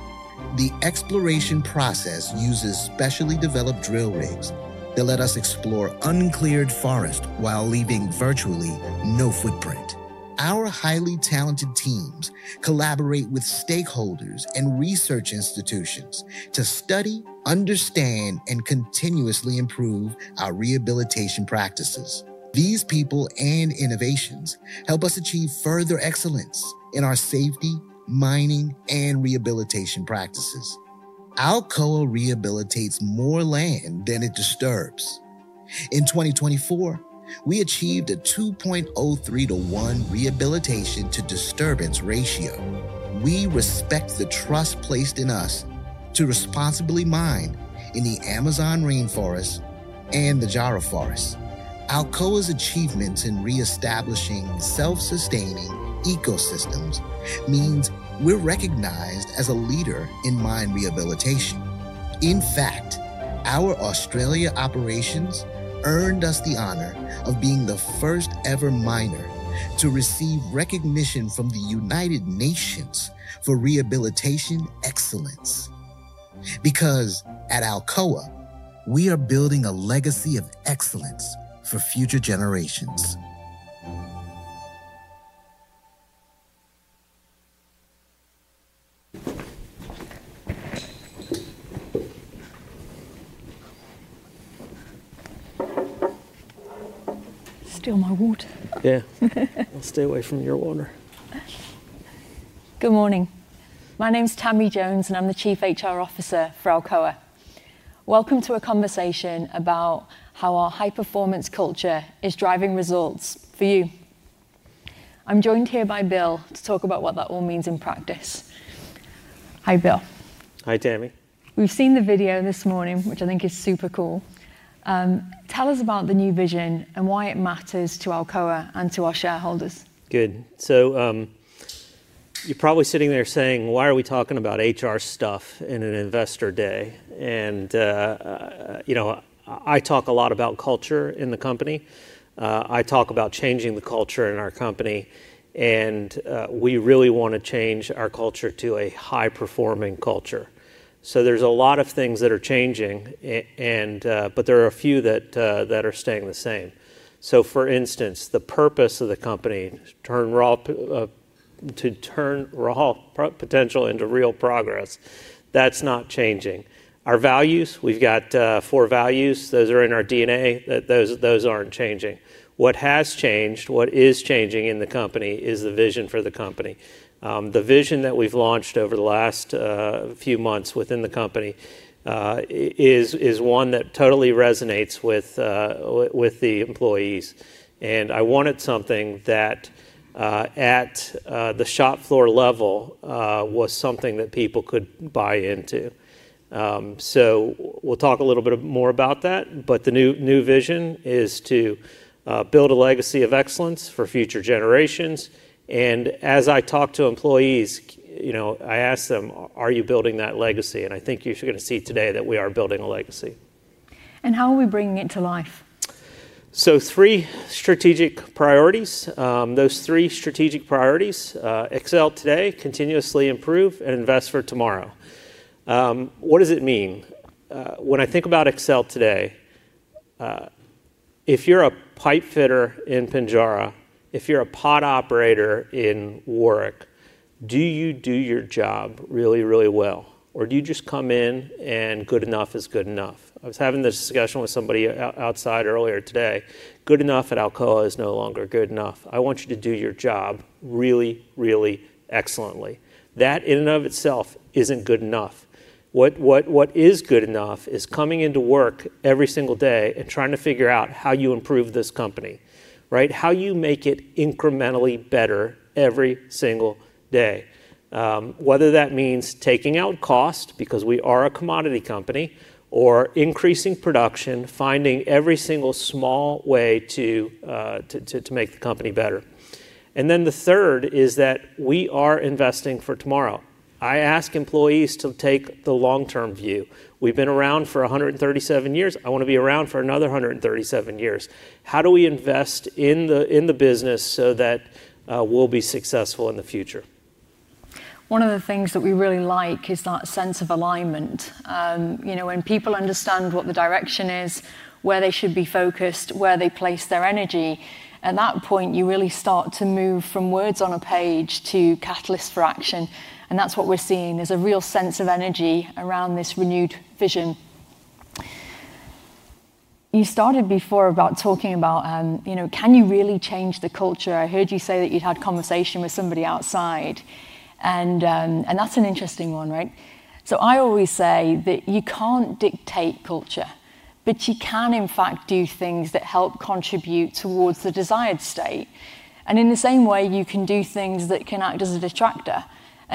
The exploration process uses specially developed drill rigs. They let us explore uncleared forest while leaving virtually no footprint. Our highly talented teams collaborate with stakeholders and research institutions to study, understand, and continuously improve our rehabilitation practices. These people and innovations help us achieve further excellence in our safety, mining, and rehabilitation practices. Alcoa rehabilitates more land than it disturbs. In 2024, we achieved a 2.031 rehabilitation to disturbance ratio. We respect the trust placed in us to responsibly mine in the Amazon rainforest and the Jarrah Forest. Alcoa's achievements in reestablishing self-sustaining ecosystems means we're recognized as a leader in mine rehabilitation. In fact, our Australia operations earned us the honor of being the first ever miner to receive recognition from the United Nations for rehabilitation excellence. Because at Alcoa, we are building a legacy of excellence for future generations. Steal my water. Yeah, I'll stay away from your water. Good morning. My name's Tammi Jones and I'm the Chief Human Resources Officer for Alcoa. Welcome to a conversation about how our high performance culture is driving results for you. I'm joined here by Bill to talk about what that all means in practice. Hi Bill. Hi Tammi. We've seen the video this morning, which I think is super cool. Tell us about the new vision and why it matters to Alcoa and to our shareholders. Good. You're probably sitting there saying why are we talking about HR stuff in an investor day? I talk a lot about culture in the company. I talk about changing the culture in our company and we really want to change our culture to a high performing culture. There are a lot of things that are changing, but there are a few that are staying the same. For instance, the purpose of the company is to turn raw potential into real progress. That's not changing. Our values, we've got four values. Those are in our DNA. Those aren't changing. What has changed, what is changing in the company is the vision for the company. The vision that we've launched over the last few months within the company is one that totally resonates with the employees. I wanted something that at the shop floor level was something that people could buy into. We'll talk a little bit more about that. The new vision is to build a legacy of excellence for future generations. As I talk to employees, I ask them, are you building that legacy? I think you should see today that we are building a legacy. How are we bringing it to life? Three strategic priorities: those three strategic priorities are excel today, continuously improve, and invest for tomorrow. What does it mean when I think about excel today? If you're a pipe fitter in Pinjara, if you're a pod operator in Warwick, do you do your job really, really well or do you just come in and good enough is good enough? I was having this discussion with somebody outside earlier today. Good enough at Alcoa is no longer good enough. I want you to do your job really, really excellently. That in and of itself isn't good enough. What is good enough is coming into work every single day and trying to figure out how you improve this company, how you make it incrementally better every single day. Whether that means taking out cost because we are a commodity company, or increasing production, finding every single small way to make the company better. The third is that we are investing for tomorrow. I ask employees to take the long term view. We've been around for 137 years. I want to be around for another 137 years. How do we invest in the business so that we'll be successful in the future? One of the things that we really like is that sense of alignment. When people understand what the direction is, where they should be focused, where they place their energy, at that point you really start to move from words on a page to catalysts for action. That's what we're seeing. There's a real sense of energy around this renewed vision. You started before about talking about can you really change the culture? I heard you say that you'd had conversation with somebody outside and that's an interesting one, right? I always say that you can't dictate culture, but you can in fact do things that help contribute towards the desired state. In the same way, you can do things that can act as a detractor.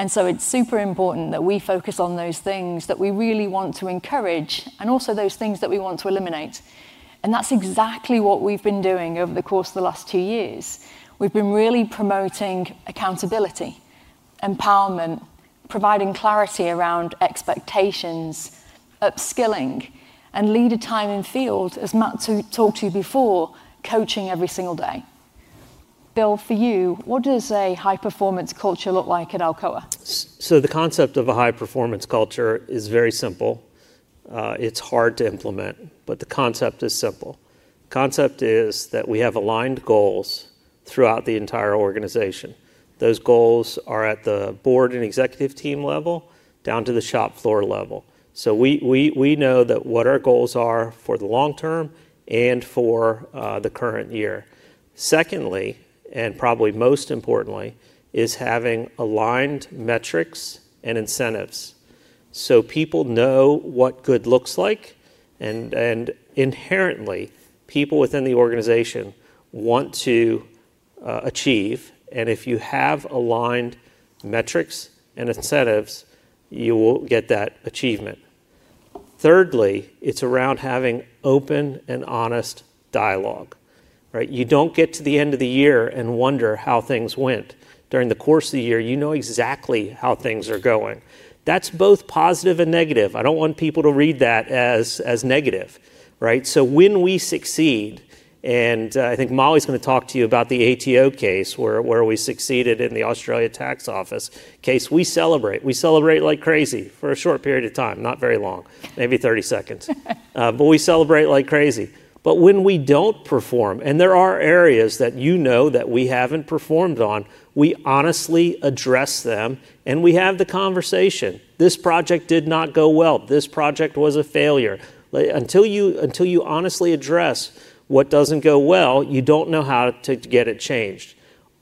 It's super important that we focus on those things that we really want to encourage and also those things that we want to eliminate. That's exactly what we've been doing over the course of the last two years. We've been really promoting accountability, empowerment, providing clarity around expectations, upskilling, and leader time in field. As Matt talked to you before, coaching every single day. Bill, for you, what does a high performance culture look like at Alcoa? The concept of a high performance culture is very simple. It's hard to implement, but the concept is simple. The concept is that we have aligned goals throughout the entire organization. Those goals are at the Board and Executive Team level, down to the shop floor level. We know what our goals are for the long term and for the current year. Secondly, and probably most importantly, is having aligned metrics and incentives so people know what good looks like, and inherently people within the organization want to achieve. If you have aligned metrics and incentives, you will get that achievement. Thirdly, it's around having open and honest dialogue. You don't get to the end of the year and wonder how things went during the course of the year. You know exactly how things are going. That's both positive and negative. I don't want people to read that as negative. Right. When we succeed, and I think Molly's going to talk to you about the ATO case where we succeeded in the Australia Tax Office case, we celebrate. We celebrate like crazy for a short period of time, not very long, maybe 30 seconds, but we celebrate like crazy. When we don't perform and there are areas that you know that we haven't performed on, we honestly address them and we have the conversation. This project did not go well. This project was a failure. Until you honestly address what doesn't go well, you don't know how to get it changed.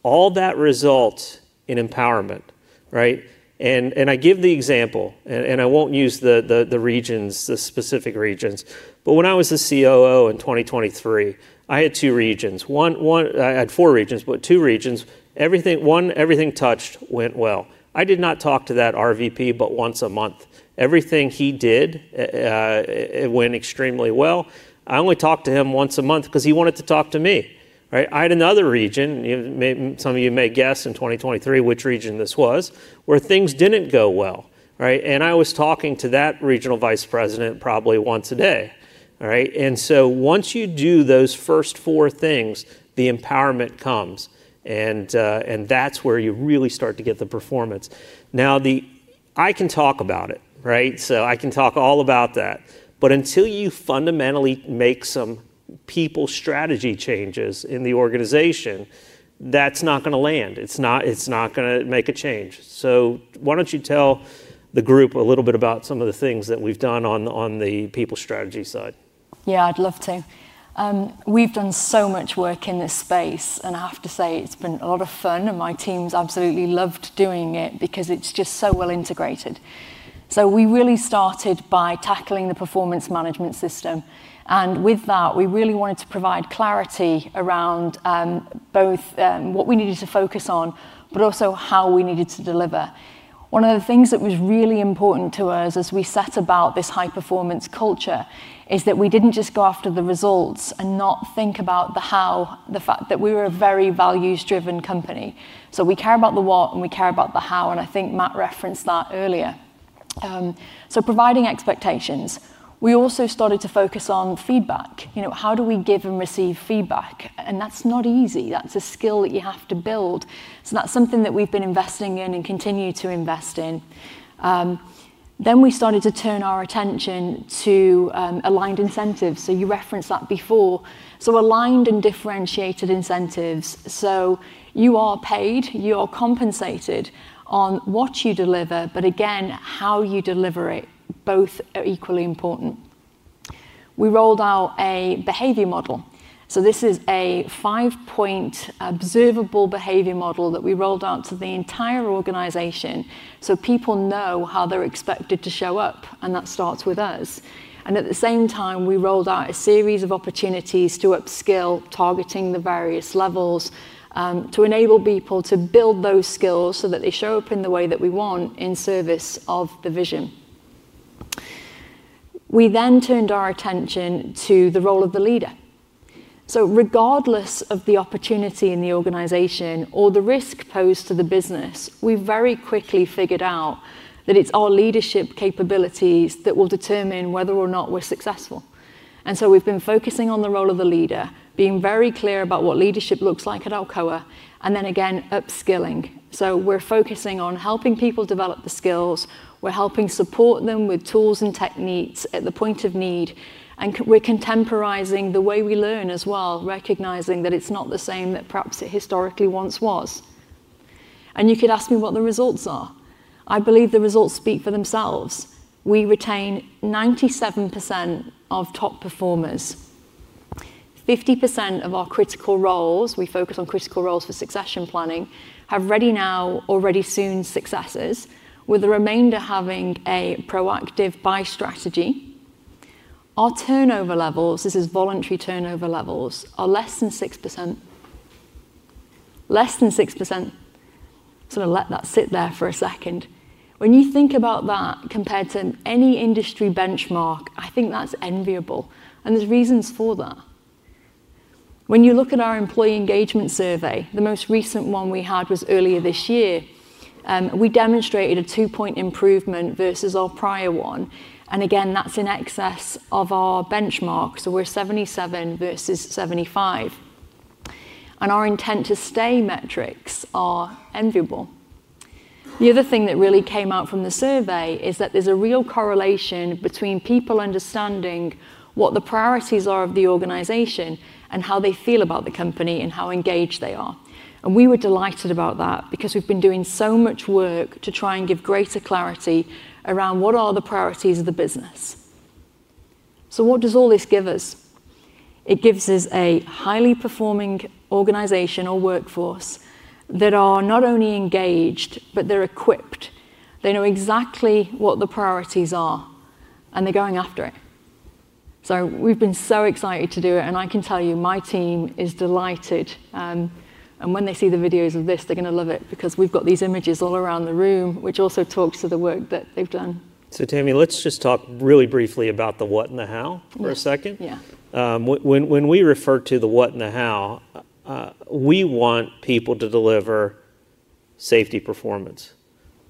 All that results in empowerment. Right? I give the example, and I won't use the specific regions, but when I was the COO in 2023, I had two regions. I had four regions, but two regions, one everything touched went well. I did not talk to that RVP but once a month. Everything he did went extremely well. I only talked to him once a month because he wanted to talk to me. I had another region, some of you may guess in 2023 which region this was, where things didn't go well. I was talking to that Regional Vice President probably once a day. Once you do those first four things, the empowerment comes and that's where you really start to get the performance. I can talk about it, I can talk all about that, but until you fundamentally make some people strategy changes in the organization, that's not going to land, it's not going to make a change. Why don't you tell the group a little bit about some of the things that we've done on the people strategy side? Yeah, I'd love to. We've done so much work in this space and I have to say it's been a lot of fun and my team's absolutely loved doing it because it's just so well integrated. We really started by tackling the performance management system and with that we really wanted to provide clarity around both what we needed to focus on, but also how we needed to deliver. One of the things that was really important to us as we set about this high performance culture is that we didn't just go after the results and not think about the how. The fact that we were a very values driven company. We care about the what and we care about the how. I think Matt referenced that earlier. Providing expectations, we also started to focus on feedback. You know, how do we give and receive feedback? That's not easy. That's a skill that you have to build. That's something that we've been investing in and continue to invest in. We started to turn our attention to aligned incentives. You referenced that before. Aligned and differentiated incentives. You are paid, you are compensated on what you deliver, but again, how you deliver it, both are equally important. We rolled out a behavior model. This is a five point observable behavior model that we rolled out to the entire organization so people know how they're expected to show up. That starts with us. At the same time, we rolled out a series of opportunities to upskill targeting the various levels to enable people to build those skills so that they show up in the way that we want in service of the vision. We then turned our attention to the role of the leader. Regardless of the opportunity in the organization or the risk posed to the business, we very quickly figured out that it's our leadership capabilities that will determine whether or not we're successful. We've been focusing on the role of the leader, being very clear about what leadership looks like at Alcoa and then again upskilling. We're focusing on helping people develop the skills, we're helping support them with tools and techniques at the point of need. We're contemporizing the way we learn as well, recognizing that it's not the same that perhaps it historically once was. You could ask me what the results are. I believe the results speak for themselves. We retain 97% of top performers, 50% of our critical roles. We focus on critical roles for succession planning, have ready now, already soon successes, with the remainder having a proactive buy strategy. Our turnover levels, this is voluntary turnover levels, are less than 6%. Less than 6%. Let that sit there for a second. When you think about that compared to any industry benchmark, I think that's enviable. There's reasons for that. When you look at our employee engagement survey, the most recent one we had was earlier this year. We demonstrated a two-point improvement versus our prior one. That's in excess of our benchmark. We're 77 versus 75, and our intent to stay metrics are enviable. The other thing that really came out from the survey is that there's a real correlation between people understanding what the priorities are of the organization and how they feel about the company and how engaged they are. We were delighted about that because we've been doing so much work to try and give greater clarity around what are the priorities of the business. What does all this give us? It gives us a highly performing organization or workforce that are not only engaged, but they're equipped, they know exactly what the priorities are, and they're going after it. We've been so excited to do it. I can tell you my team is delighted. When they see the videos of this, they're going to love it because we've got these images all around the room, which also talks to the work that they've done. Tammi, let's just talk really briefly about the what and the how for a second. Yeah. When we refer to the what and the how, we want people to deliver safety performance,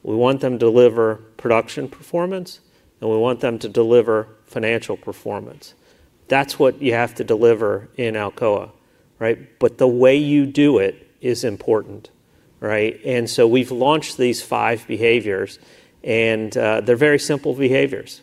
we want them to deliver production performance, and we want them to deliver financial performance. That's what you have to deliver in Alcoa. Right? The way you do it is important. We've launched these five behaviors, and they're very simple behaviors.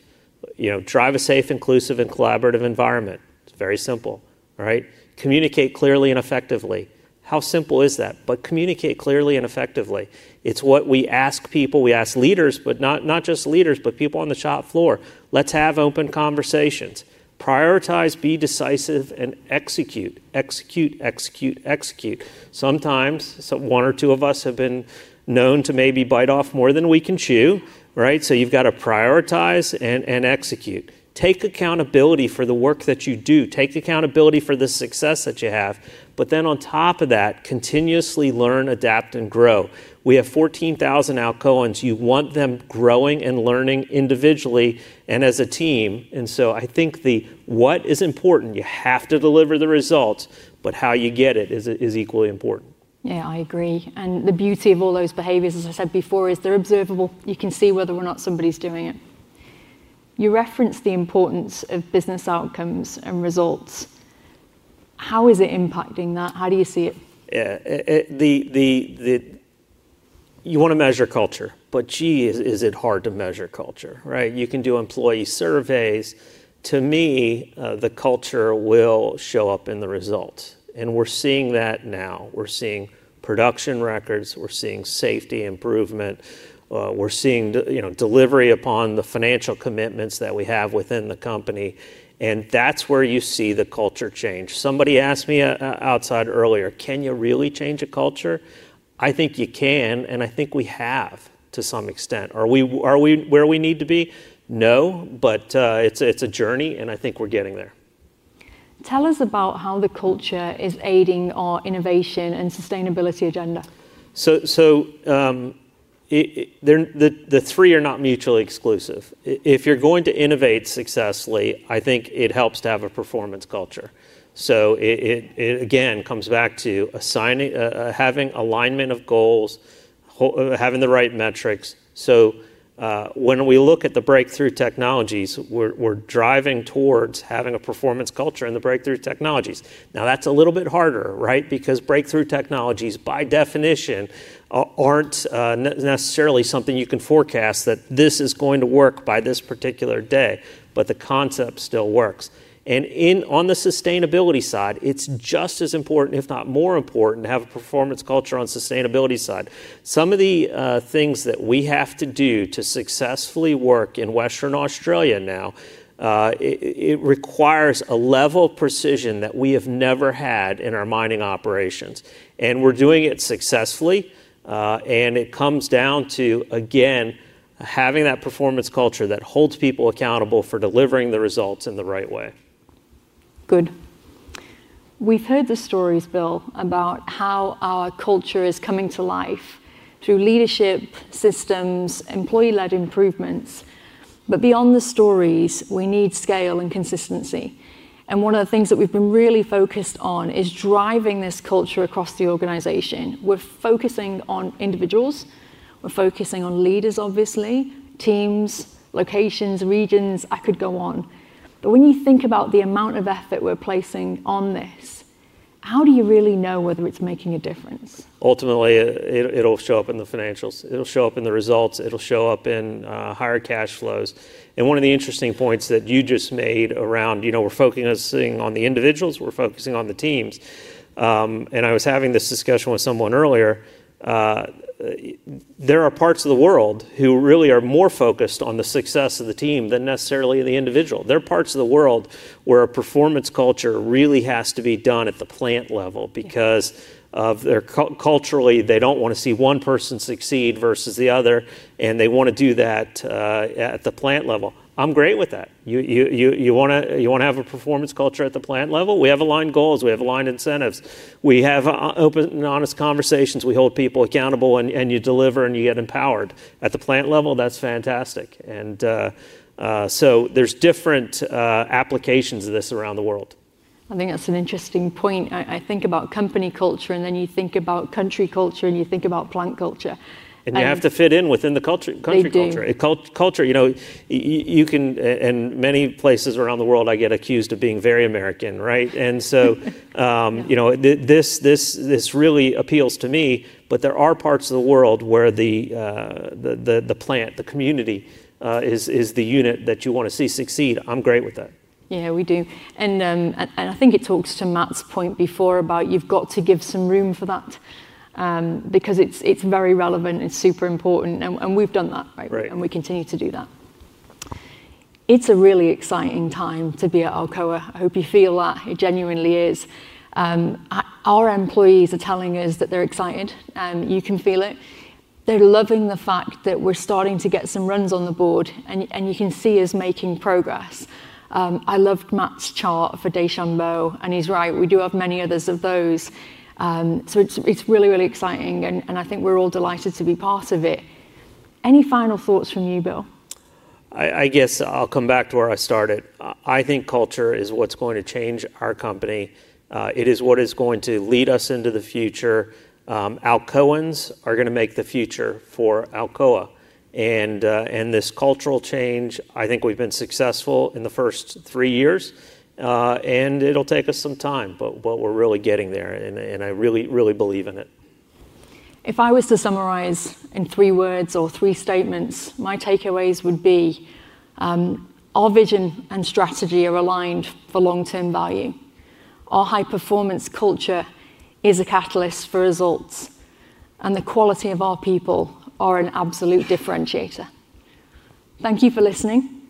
Drive a safe, inclusive, and collaborative environment. It's very simple, right? Communicate clearly and effectively. How simple is that? Communicate clearly and effectively. It's what we ask people. We ask leaders, but not just leaders, people on the shop floor. Let's have open conversations, prioritize, be decisive, and execute, execute, execute, execute. Sometimes one or two of us have been known to maybe bite off more than we can chew. You've got to prioritize and execute. Take accountability for the work that you do. Take accountability for the success that you have. On top of that, continuously learn, adapt, and grow. We have 14,000 Alcoans. You want them growing and learning individually and as a team. I think the what is important. You have to deliver the results, but how you get it is equally important. I agree. The beauty of all those behaviors, as I said before, is they're observable. You can see whether or not somebody's doing it. You referenced the importance of business outcomes and results. How is it impacting that? How do you see it? You want to measure culture, but gee, is it hard to measure culture? You can do employee surveys. To me, the culture will show up in the results. We're seeing that now. We're seeing production records, we're seeing safety improvement, we're seeing delivery upon the financial commitments that we have within the company. That's where you see the culture change. Somebody asked me outside earlier, can you really change a culture? I think you can and I think we have to some extent. Are we where we need to be? No, but it's a journey and I think we're getting there. Tell us about how the culture is aiding our innovation and sustainability agenda. The three are not mutually exclusive. If you're going to innovate successfully, I think it helps to have a performance culture. It again comes back to having alignment of goals, having the right metrics. When we look at the breakthrough technologies we're driving towards, having a performance culture in the breakthrough technologies is a little bit harder, right? Because breakthrough technologies by definition aren't necessarily something you can forecast that this is going to work by this particular day. The concept still works. On the sustainability side, it's just as important, if not more important, to have a performance culture. On the sustainability side, some of the things that we have to do to successfully work in Western Australia now require a level of precision that we have never had in our mining operations, and we're doing it successfully. It comes down to again having that performance culture that holds people accountable for delivering the results in the right way. Good. We've heard the stories, Bill, about how our culture is going, coming to life through leadership systems and employee led improvements. Beyond the stories, we need scale and consistency. One of the things that we've been really focused on is driving this culture across the organization. We're focusing on individuals, we're focusing on leaders, obviously teams, locations, regions. I could go on, but when you think about the amount of effort we're placing on this, how do you really know whether it's making a difference? Ultimately, it'll show up in the financials, it'll show up in the results, it'll show up in higher cash flows. One of the interesting points that you just made around, you know, we're focusing on the individuals, we're focusing on the teams. I was having this discussion with someone earlier. There are parts of the world who really are more focused on the success of the team than necessarily the individual. There are parts of the world where a performance culture really has to be done at the plant level because culturally, they don't want to see one person succeed versus the other and they want to do that at the plant level. I'm great with that. You want to have a performance culture at the plant level. We have aligned goals, we have aligned incentives, we have open and honest conversations. We hold people accountable and you deliver and you get empowered at the plant level. That's fantastic. There are different applications of this around the world. I think that's an interesting point. I think about company culture, and then you think about country culture, and you think about plant culture, and you have. To fit in within the culture, country culture, culture. You know, you can in many places around the world. I get accused of being very American, right, and this really appeals to me. There are parts of the world where the plant, the community, is the unit that you want to see succeed. I'm great with that. Yes, we do. I think it talks to Matt's point before about you've got to give some room for that because it's very relevant, it's super important, and we've done that and we continue to do that. It's a really exciting time to be at Alcoa. I hope you feel that. It genuinely is. Our employees are telling us that they're excited. You can feel it. They're loving the fact that we're starting to get some runs on the board and you can see us making progress. I loved Matt's chart for Deschambault and he's right. We do have many others of those. It's really, really exciting and I think we're all delighted to be part of it. Any final thoughts from you, Bill? I guess I'll come back to where I started. I think culture is what's going to change our company. It is what is going to lead us into the future. Alcoans are going to make the future for Alcoa and this cultural change. I think we've been successful in the first three years, and it'll take us some time, but we're really getting there and I really, really believe in it. If I was to summarize in three words or three statements, my takeaways would be our vision and strategy are aligned for long term value. Our high performance culture is a catalyst for results, and the quality of our people are an absolute differentiator. Thank you for listening.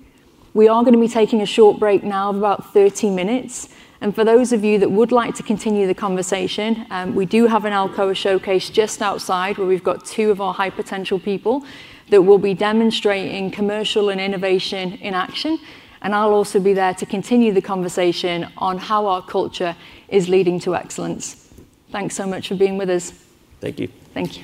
We are going to be taking a short break now of about 30 minutes. For those of you that would like to continue the conversation, we do have an Alcoa show showcased just outside where we've got two of our high potential people that will be demonstrating commercial and innovation in action. I'll also be there to continue the conversation on how our culture is leading to excellence. Thanks so much for being with us. Thank you. Thank you.